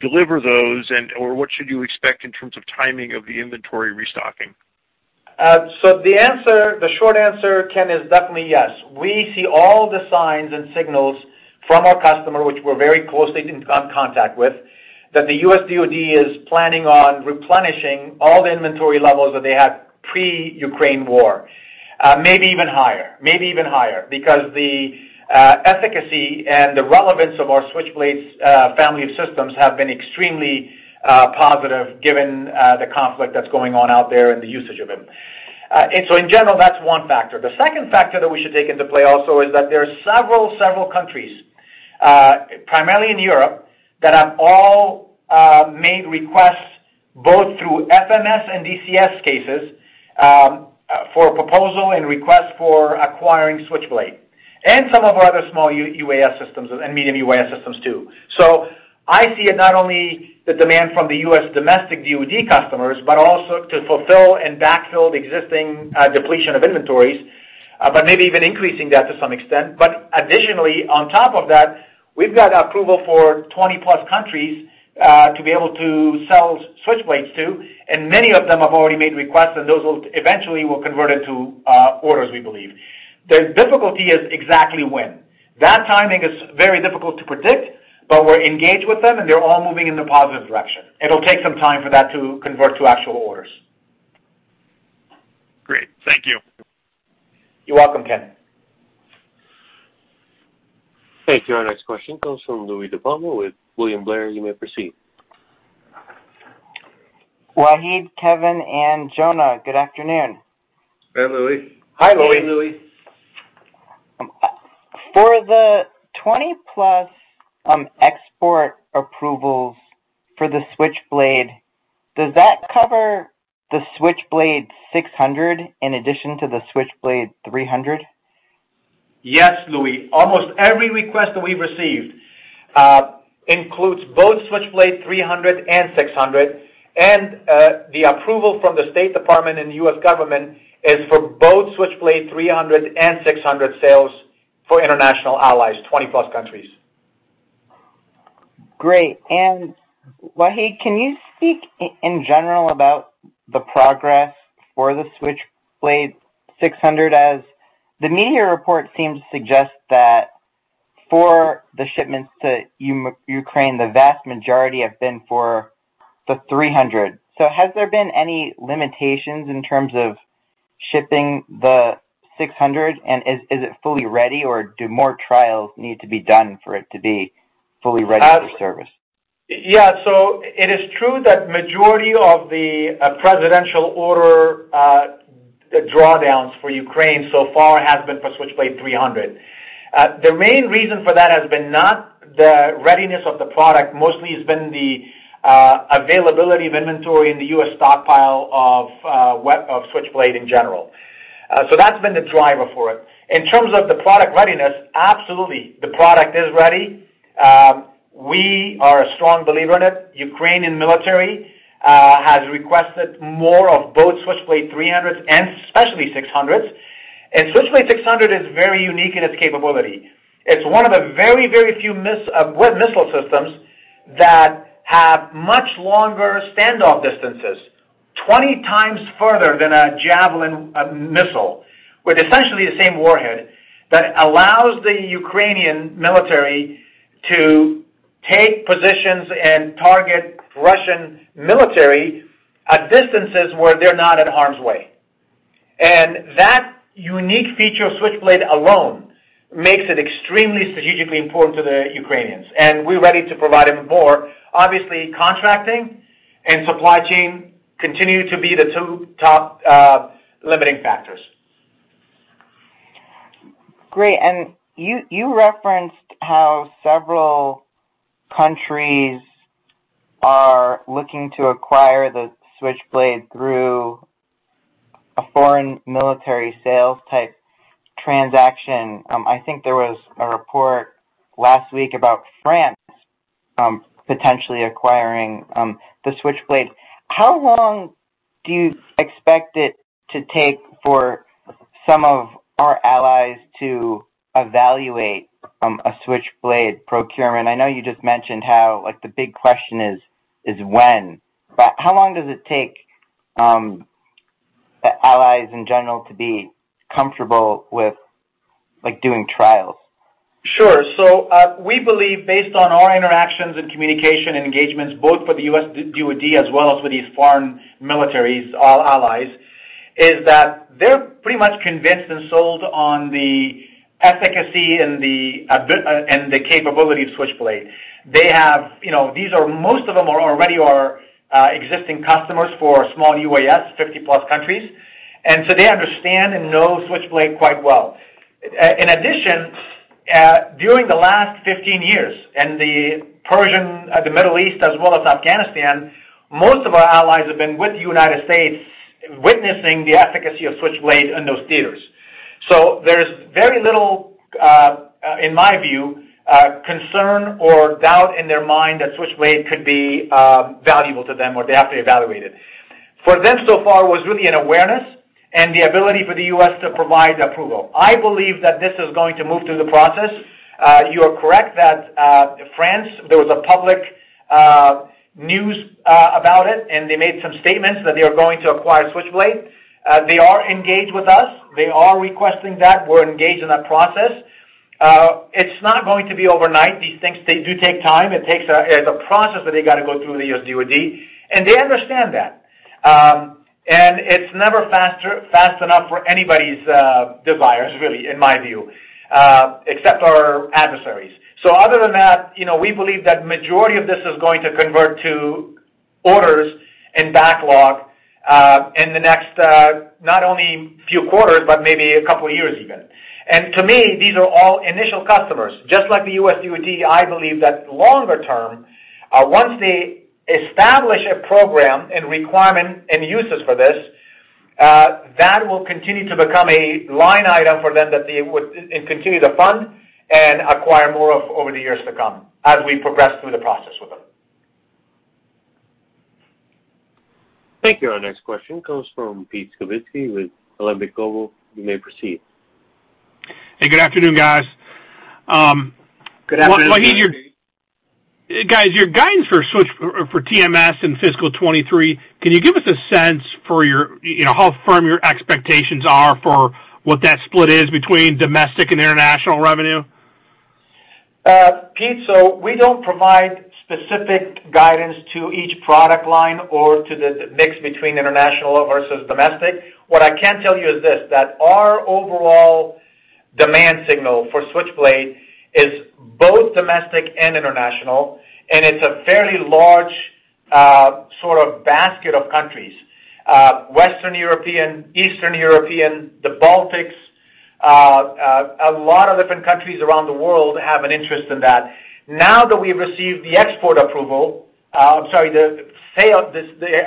deliver those and/or what should you expect in terms of timing of the inventory restocking? The short answer, Ken, is definitely yes. We see all the signs and signals from our customer, which we're very closely in contact with, that the U.S. DoD is planning on replenishing all the inventory levels that they had pre-Ukraine war, maybe even higher. Because the efficacy and the relevance of our Switchblade family of systems have been extremely positive given the conflict that's going on out there and the usage of it. In general, that's one factor. The second factor that we should take into play also is that there are several countries, primarily in Europe, that have all made requests both through FMS and DCS cases for proposals and requests for acquiring Switchblade and some of our other small UAS systems and medium UAS systems too. I see it not only the demand from the U.S. domestic DoD customers, but also to fulfill and backfill the existing depletion of inventories, but maybe even increasing that to some extent. But additionally, on top of that, we've got approval for 20+ countries to be able to sell Switchblades to, and many of them have already made requests, and those will eventually convert into orders, we believe. The difficulty is exactly when. That timing is very difficult to predict, but we're engaged with them, and they're all moving in the positive direction. It'll take some time for that to convert to actual orders. Great. Thank you. You're welcome, Ken. Thank you. Our next question comes from Louie DiPalma with William Blair. You may proceed. Wahid, Kevin, and Jonah, good afternoon. Hi, Louie. Hi, Louie. Hi Louie. For the 20+ export approvals for the Switchblade, does that cover the Switchblade 600 in addition to the Switchblade 300? Yes, Louie. Almost every request that we've received includes both Switchblade 300 and 600. The approval from the State Department and U.S. government is for both Switchblade 300 and 600 sales for international allies, 20+ countries. Great. Wahid, can you speak in general about the progress for the Switchblade 600, as the media report seems to suggest that for the shipments to Ukraine, the vast majority have been for the 300. Has there been any limitations in terms of shipping the 600? Is it fully ready, or do more trials need to be done for it to be fully ready for service? Yeah. It is true that majority of the presidential order drawdowns for Ukraine so far has been for Switchblade 300. The main reason for that has been not the readiness of the product. Mostly it's been the availability of inventory in the U.S. stockpile of Switchblade in general. That's been the driver for it. In terms of the product readiness, absolutely, the product is ready. We are a strong believer in it. Ukrainian military has requested more of both Switchblade 300s and especially 600s. Switchblade 600 is very unique in its capability. It's one of the very, very few missile systems that have much longer standoff distances, 20 times further than a Javelin missile, with essentially the same warhead that allows the Ukrainian military to take positions and target Russian military at distances where they're not in harm's way. That unique feature of Switchblade alone makes it extremely strategically important to the Ukrainians, and we're ready to provide even more. Obviously, contracting and supply chain continue to be the two top limiting factors. Great. You referenced how several countries are looking to acquire the Switchblade through a foreign military sales type transaction. I think there was a report last week about France potentially acquiring the Switchblade. How long do you expect it to take for some of our allies to evaluate a Switchblade procurement? I know you just mentioned how, like the big question is when. But how long does it take, allies in general to be comfortable with, like, doing trials? Sure. We believe based on our interactions and communication and engagements, both for the U.S. DoD as well as with these foreign militaries, our allies, is that they're pretty much convinced and sold on the efficacy and the capability of Switchblade. You know, most of them are already existing customers for small UAS, 50+ countries. They understand and know Switchblade quite well. In addition, during the last 15 years in the Middle East as well as Afghanistan, most of our allies have been with the United States, witnessing the efficacy of Switchblade in those theaters. There's very little, in my view, concern or doubt in their mind that Switchblade could be valuable to them or they have to evaluate it. For them so far, it was really an awareness and the ability for the U.S. to provide the approval. I believe that this is going to move through the process. You are correct that France, there was a public news about it, and they made some statements that they are going to acquire Switchblade. They are engaged with us. They are requesting that. We're engaged in that process. It's not going to be overnight. These things, they do take time. There's a process that they gotta go through the U.S. DoD, and they understand that. It's never fast enough for anybody's desires really, in my view, except our adversaries. Other than that, you know, we believe that majority of this is going to convert to orders and backlog in the next, not only few quarters, but maybe a couple of years even. To me, these are all initial customers. Just like the U.S. DoD, I believe that longer term, once they establish a program and requirement and uses for this, that will continue to become a line item for them that they would, and continue to fund and acquire more of over the years to come as we progress through the process with them. Thank you. Our next question comes from Pete Skibitski with Alembic Global. You may proceed. Hey, good afternoon, guys. Good afternoon, Pete. Wahid, guys, your guidance for TMS in fiscal 2023, can you give us a sense for your, you know, how firm your expectations are for what that split is between domestic and international revenue? Pete, we don't provide specific guidance to each product line or to the mix between international versus domestic. What I can tell you is this, that our overall demand signal for Switchblade is both domestic and international, and it's a fairly large sort of basket of countries. Western European, Eastern European, the Baltics, a lot of different countries around the world have an interest in that. Now that we've received the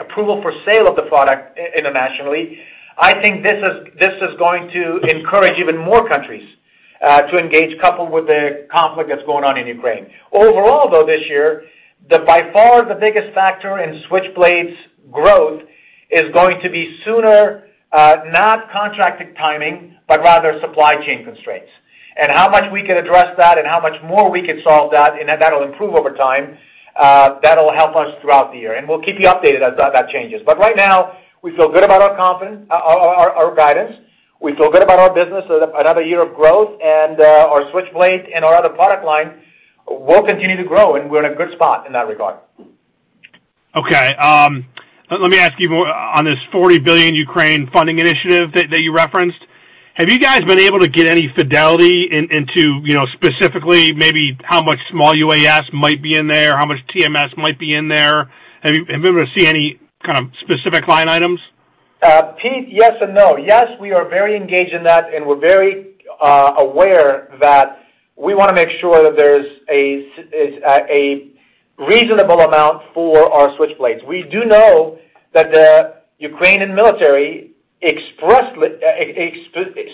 approval for sale of the product internationally, I think this is going to encourage even more countries to engage, coupled with the conflict that's going on in Ukraine. Overall, though, this year, by far, the biggest factor in Switchblade's growth is going to be supply, not contracted timing, but rather supply chain constraints. How much we can address that and how much more we can solve that, and that will improve over time, that'll help us throughout the year. We'll keep you updated as that changes. Right now we feel good about our guidance. We feel good about our business. Another year of growth and our Switchblade and our other product lines will continue to grow, and we're in a good spot in that regard. Okay. Let me ask you more on this $40 billion Ukraine funding initiative that you referenced. Have you guys been able to get any fidelity into, you know, specifically maybe how much small UAS might be in there? How much TMS might be in there? Have you been able to see any kind of specific line items? Pete, yes and no. Yes, we are very engaged in that, and we're very aware that we wanna make sure that there's a reasonable amount for our Switchblades. We do know that the Ukrainian military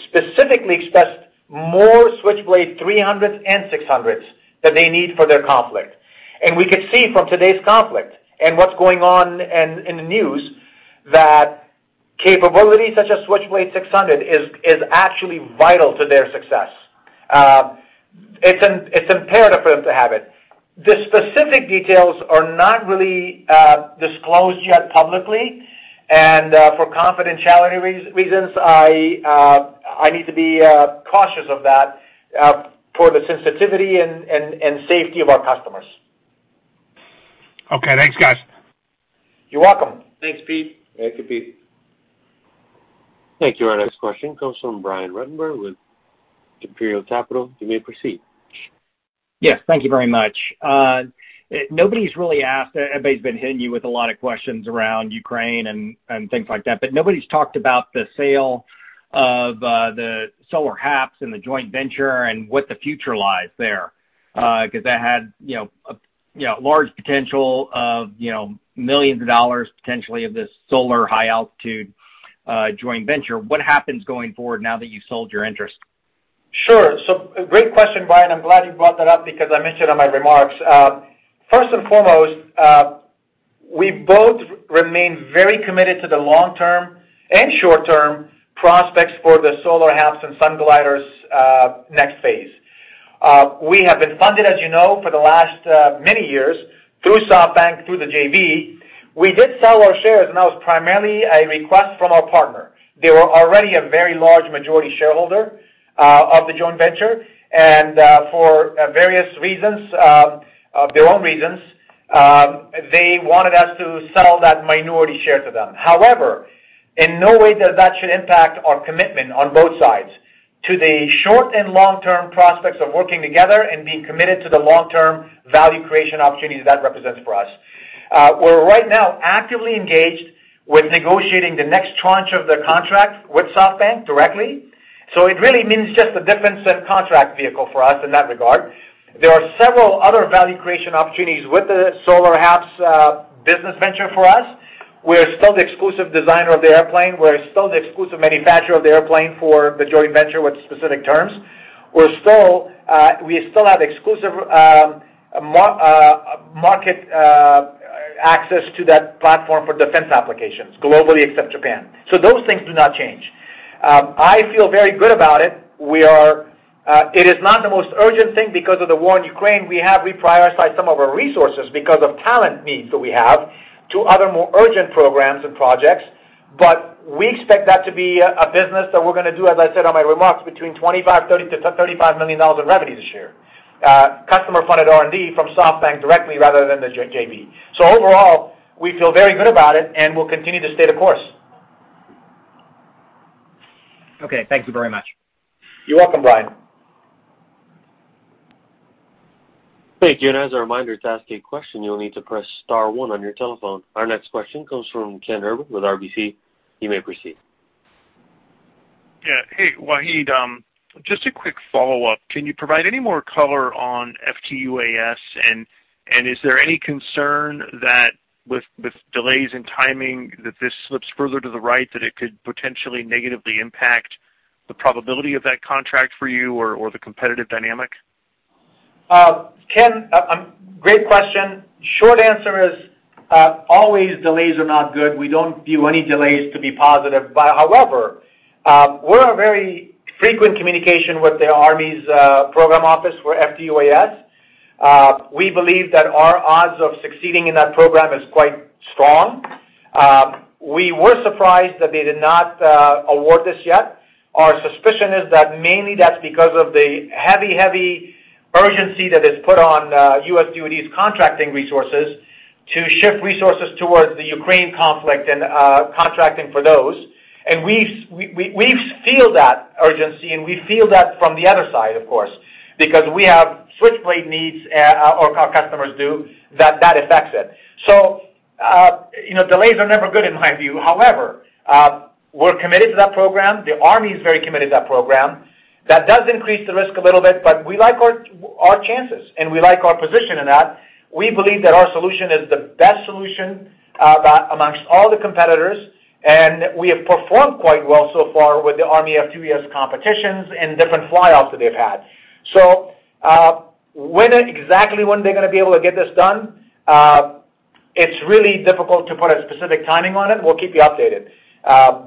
specifically expressed more Switchblade 300 and 600s that they need for their conflict. We could see from today's conflict and what's going on in the news that capabilities such as Switchblade 600 is actually vital to their success. It's imperative for them to have it. The specific details are not really disclosed yet publicly. For confidentiality reasons, I need to be cautious of that for the sensitivity and safety of our customers. Okay. Thanks, guys. You're welcome. Thanks, Pete. Thank you, Pete. Thank you. Our next question comes from Brian Ruttenbur with Imperial Capital. You may proceed. Yes, thank you very much. Nobody's really asked, everybody's been hitting you with a lot of questions around Ukraine and things like that, but nobody's talked about the sale of the solar HAPS and the joint venture and what the future lies there 'cause that had, you know, a, you know, large potential of, you know, millions of dollars potentially of this solar high-altitude joint venture. What happens going forward now that you've sold your interest? Sure. Great question, Brian. I'm glad you brought that up because I mentioned in my remarks. First and foremost, we both remain very committed to the long-term and short-term prospects for the solar HAPS and Sunglider's next phase. We have been funded, as you know, for the last many years through SoftBank, through the JV. We did sell our shares, and that was primarily a request from our partner. They were already a very large majority shareholder of the joint venture. For various reasons, their own reasons, they wanted us to sell that minority share to them. However, in no way that should impact our commitment on both sides to the short and long-term prospects of working together and being committed to the long-term value creation opportunities that represents for us. We're right now actively engaged with negotiating the next tranche of the contract with SoftBank directly. It really means just a different set of contract vehicle for us in that regard. There are several other value creation opportunities with the solar HAPS business venture for us. We're still the exclusive designer of the airplane. We're still the exclusive manufacturer of the airplane for the joint venture with specific terms. We still have exclusive market access to that platform for defense applications globally except Japan. Those things do not change. I feel very good about it. It is not the most urgent thing. Because of the war in Ukraine, we have reprioritized some of our resources because of talent needs that we have to other more urgent programs and projects. We expect that to be a business that we're gonna do, as I said on my remarks, between $25 million-$30 million to $35 million in revenue this year. Customer-funded R&D from SoftBank directly rather than the JV. Overall, we feel very good about it, and we'll continue to stay the course. Okay. Thank you very much. You're welcome, Brian. Thank you. As a reminder, to ask a question, you'll need to press star one on your telephone. Our next question comes from Ken Herbert with RBC. You may proceed. Hey, Wahid. Just a quick follow-up. Can you provide any more color on FTUAS? Is there any concern that with delays in timing that it slips further to the right, that it could potentially negatively impact the probability of that contract for you or the competitive dynamic? Ken, great question. Short answer is, always delays are not good. We don't view any delays to be positive. However, we're in very frequent communication with the Army's program office for FTUAS. We believe that our odds of succeeding in that program is quite strong. We were surprised that they did not award this yet. Our suspicion is that mainly that's because of the heavy urgency that is put on U.S. DoD's contracting resources to shift resources towards the Ukraine conflict and contracting for those. We feel that urgency and we feel that from the other side, of course, because we have Switchblade needs or our customers do that affects it. You know, delays are never good in my view. However, we're committed to that program. The Army is very committed to that program. That does increase the risk a little bit, but we like our chances, and we like our position in that. We believe that our solution is the best solution, amongst all the competitors, and we have performed quite well so far with the Army FTUAS competitions and different flyoffs that they've had. Exactly when they're gonna be able to get this done, it's really difficult to put a specific timing on it. We'll keep you updated.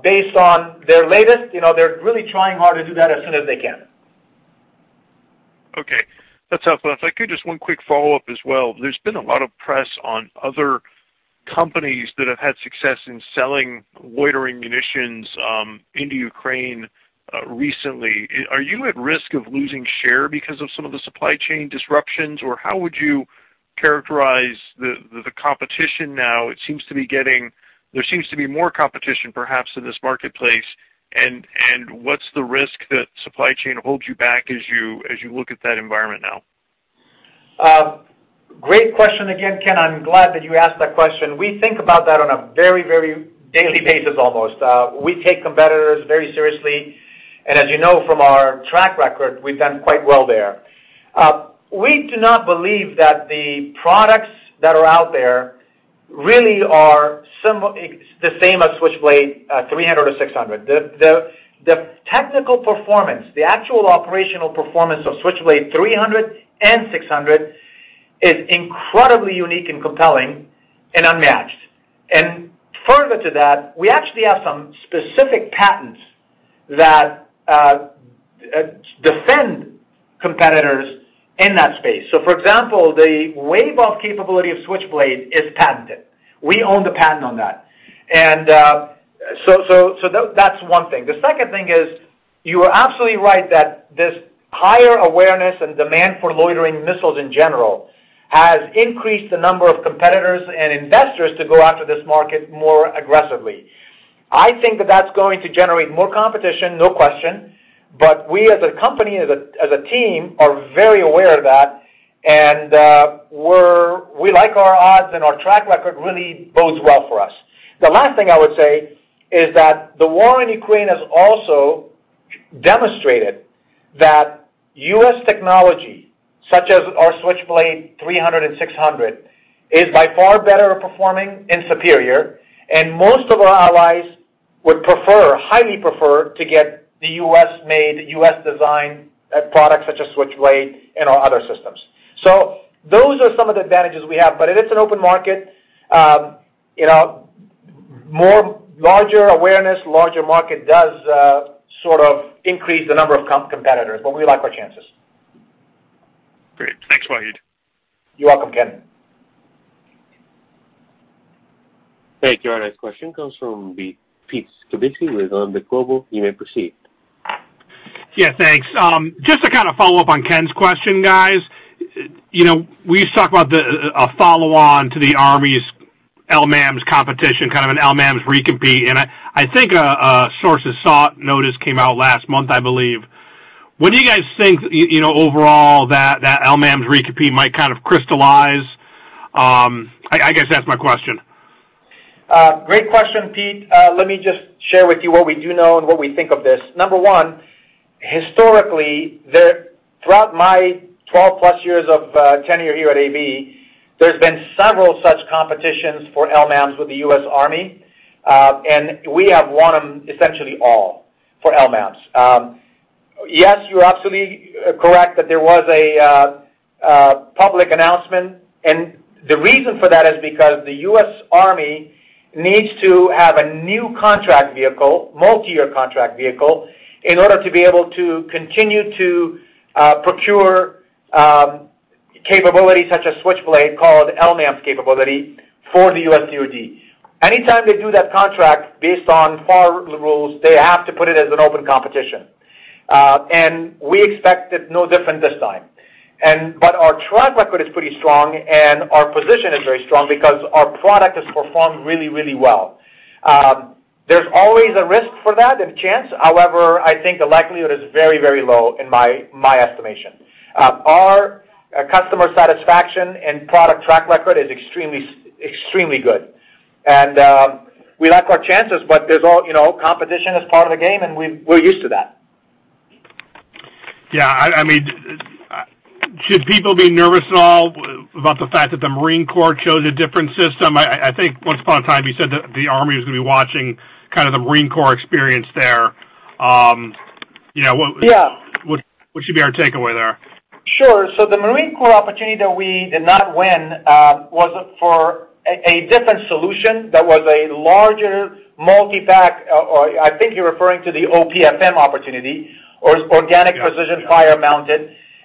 Based on their latest, you know, they're really trying hard to do that as soon as they can. Okay. That's helpful. If I could, just one quick follow-up as well. There's been a lot of press on other companies that have had success in selling loitering munitions into Ukraine recently. Are you at risk of losing share because of some of the supply chain disruptions, or how would you characterize the competition now? There seems to be more competition, perhaps, in this marketplace. What's the risk that supply chain holds you back as you look at that environment now? Great question again, Ken. I'm glad that you asked that question. We think about that on a very daily basis, almost. We take competitors very seriously. As you know from our track record, we've done quite well there. We do not believe that the products that are out there really are the same as Switchblade 300 or 600. The technical performance, the actual operational performance of Switchblade 300 and 600 is incredibly unique and compelling and unmatched. Further to that, we actually have some specific patents that deter competitors in that space. For example, the wave-off capability of Switchblade is patented. We own the patent on that, so that's one thing. The second thing is, you are absolutely right that this higher awareness and demand for loitering missiles in general has increased the number of competitors and investors to go after this market more aggressively. I think that that's going to generate more competition, no question. We, as a company, as a team, are very aware of that. We like our odds, and our track record really bodes well for us. The last thing I would say is that the war in Ukraine has also demonstrated that U.S. technology, such as our Switchblade 300 and 600, is by far better performing and superior, and most of our allies would prefer, highly prefer to get the U.S.-made, U.S.-designed products such as Switchblade and our other systems. Those are some of the advantages we have, but it is an open market. You know, more larger awareness, larger market does sort of increase the number of competitors, but we like our chances. Great. Thanks, Wahid. You're welcome, Ken. Thank you. Our next question comes from Pete Skibitski with Alembic Global. You may proceed. Yeah, thanks. Just to kind of follow up on Ken's question, guys. You know, we used to talk about a follow-on to the Army's LMAMS competition, kind of an LMAMS recompete. I think a sources sought notice came out last month, I believe. When do you guys think, you know, overall that LMAMS recompete might kind of crystallize? I guess that's my question. Great question, Pete. Let me just share with you what we do know and what we think of this. Number one, historically, throughout my 12+ years of tenure here at AB, there's been several such competitions for LMAMS with the U.S. Army, and we have won them essentially all for LMAMS. Yes, you're absolutely correct that there was a public announcement, and the reason for that is because the U.S. Army needs to have a new contract vehicle, multi-year contract vehicle, in order to be able to continue to procure capabilities such as Switchblade, called LMAMS capability, for the U.S. DoD. Anytime they do that contract based on FAR rules, they have to put it as an open competition. We expect it no different this time. Our track record is pretty strong, and our position is very strong because our product has performed really, really well. There's always a risk for that and chance. However, I think the likelihood is very, very low in my estimation. Our customer satisfaction and product track record is extremely good. We like our chances, but you know, competition is part of the game, and we're used to that. Yeah. I mean, should people be nervous at all about the fact that the Marine Corps chose a different system? I think once upon a time you said that the Army was gonna be watching kind of the Marine Corps experience there. Yeah. What should be our takeaway there? Sure. The Marine Corps opportunity that we did not win was for a different solution that was a larger multi-pack. I think you're referring to the OPF-M opportunity, or Organic Precision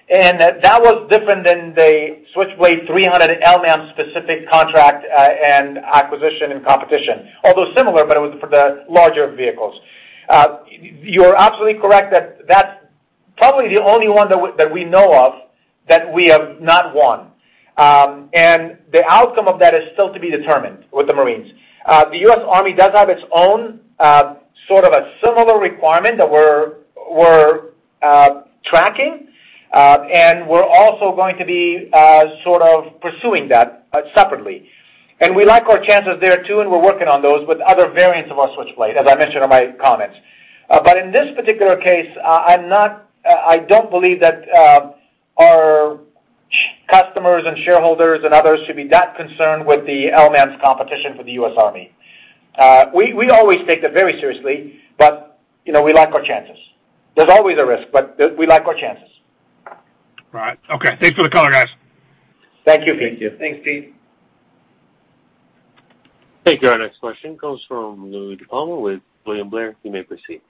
Fires-Mounted. That was different than the Switchblade 300 LMAMS specific contract, and acquisition and competition. Although similar, but it was for the larger vehicles. You're absolutely correct that that's probably the only one that we know of that we have not won. The outcome of that is still to be determined with the Marines. The U.S. Army does have its own sort of a similar requirement that we're tracking. We're also going to be sort of pursuing that separately. We like our chances there, too, and we're working on those with other variants of our Switchblade, as I mentioned in my comments. But in this particular case, I don't believe that our customers and shareholders and others should be that concerned with the LMAMS competition for the U.S. Army. We always take that very seriously, but, you know, we like our chances. There's always a risk, but we like our chances. Right. Okay. Thanks for the color, guys. Thank you, Pete. Thank you. Thanks, Pete. Thank you. Our next question comes from Louie DiPalma with William Blair. You may proceed.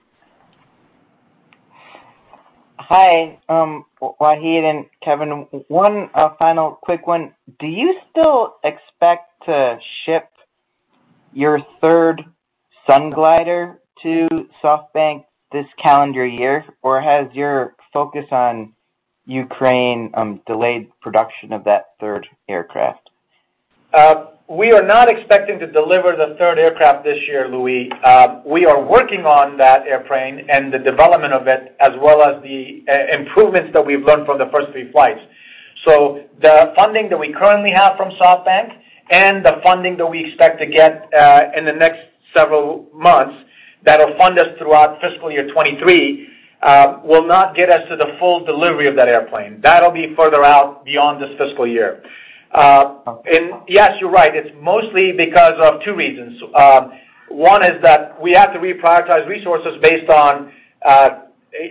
Hi, Wahid and Kevin. One final quick one. Do you still expect to ship your third Sunglider to SoftBank this calendar year, or has your focus on Ukraine delayed production of that third aircraft? We are not expecting to deliver the third aircraft this year, Louie. We are working on that airplane and the development of it, as well as the improvements that we've learned from the first three flights. The funding that we currently have from SoftBank and the funding that we expect to get in the next several months that'll fund us throughout fiscal year 2023 will not get us to the full delivery of that airplane. That'll be further out beyond this fiscal year. Yes, you're right. It's mostly because of two reasons. One is that we have to reprioritize resources based on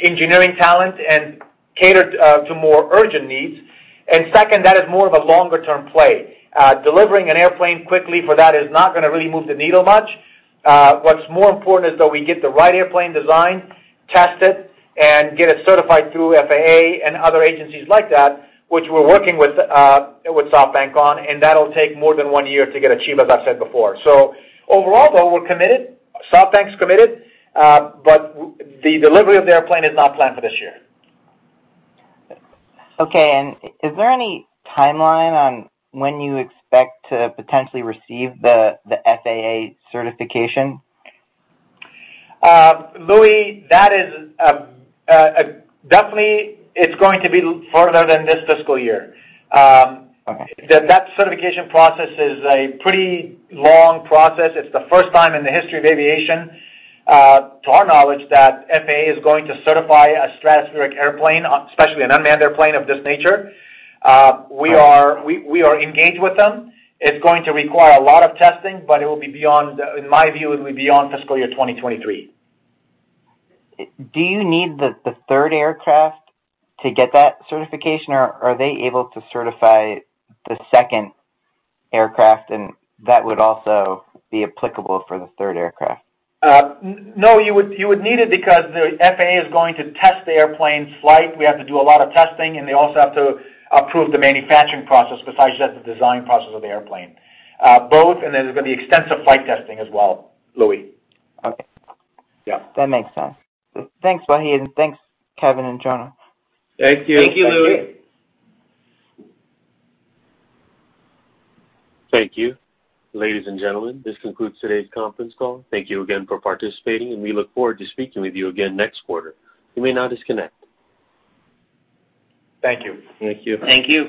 engineering talent and cater to more urgent needs. Second, that is more of a longer-term play. Delivering an airplane quickly for that is not gonna really move the needle much. What's more important is that we get the right airplane design, test it, and get it certified through FAA and other agencies like that, which we're working with SoftBank on, and that'll take more than one year to get achieved, as I've said before. Overall, though, we're committed, SoftBank's committed, but the delivery of the airplane is not planned for this year. Okay. Is there any timeline on when you expect to potentially receive the FAA certification? Louie, definitely it's going to be further than this fiscal year. Okay. That certification process is a pretty long process. It's the first time in the history of aviation, to our knowledge, that FAA is going to certify a stratospheric airplane, especially an unmanned airplane of this nature. We are engaged with them. It's going to require a lot of testing, but it will be beyond, in my view, it will be beyond fiscal year 2023. Do you need the third aircraft to get that certification, or are they able to certify the second aircraft, and that would also be applicable for the third aircraft? No, you would need it because the FAA is going to test the airplane's flight. We have to do a lot of testing, and they also have to approve the manufacturing process besides just the design process of the airplane. Both, then there's gonna be extensive flight testing as well, Louie. Okay. Yeah. That makes sense. Thanks, Wahid. Thanks, Kevin and Jonah. Thank you. Thank you. Thank you, Louie. Thank you. Ladies and gentlemen, this concludes today's conference call. Thank you again for participating, and we look forward to speaking with you again next quarter. You may now disconnect. Thank you. Thank you. Thank you.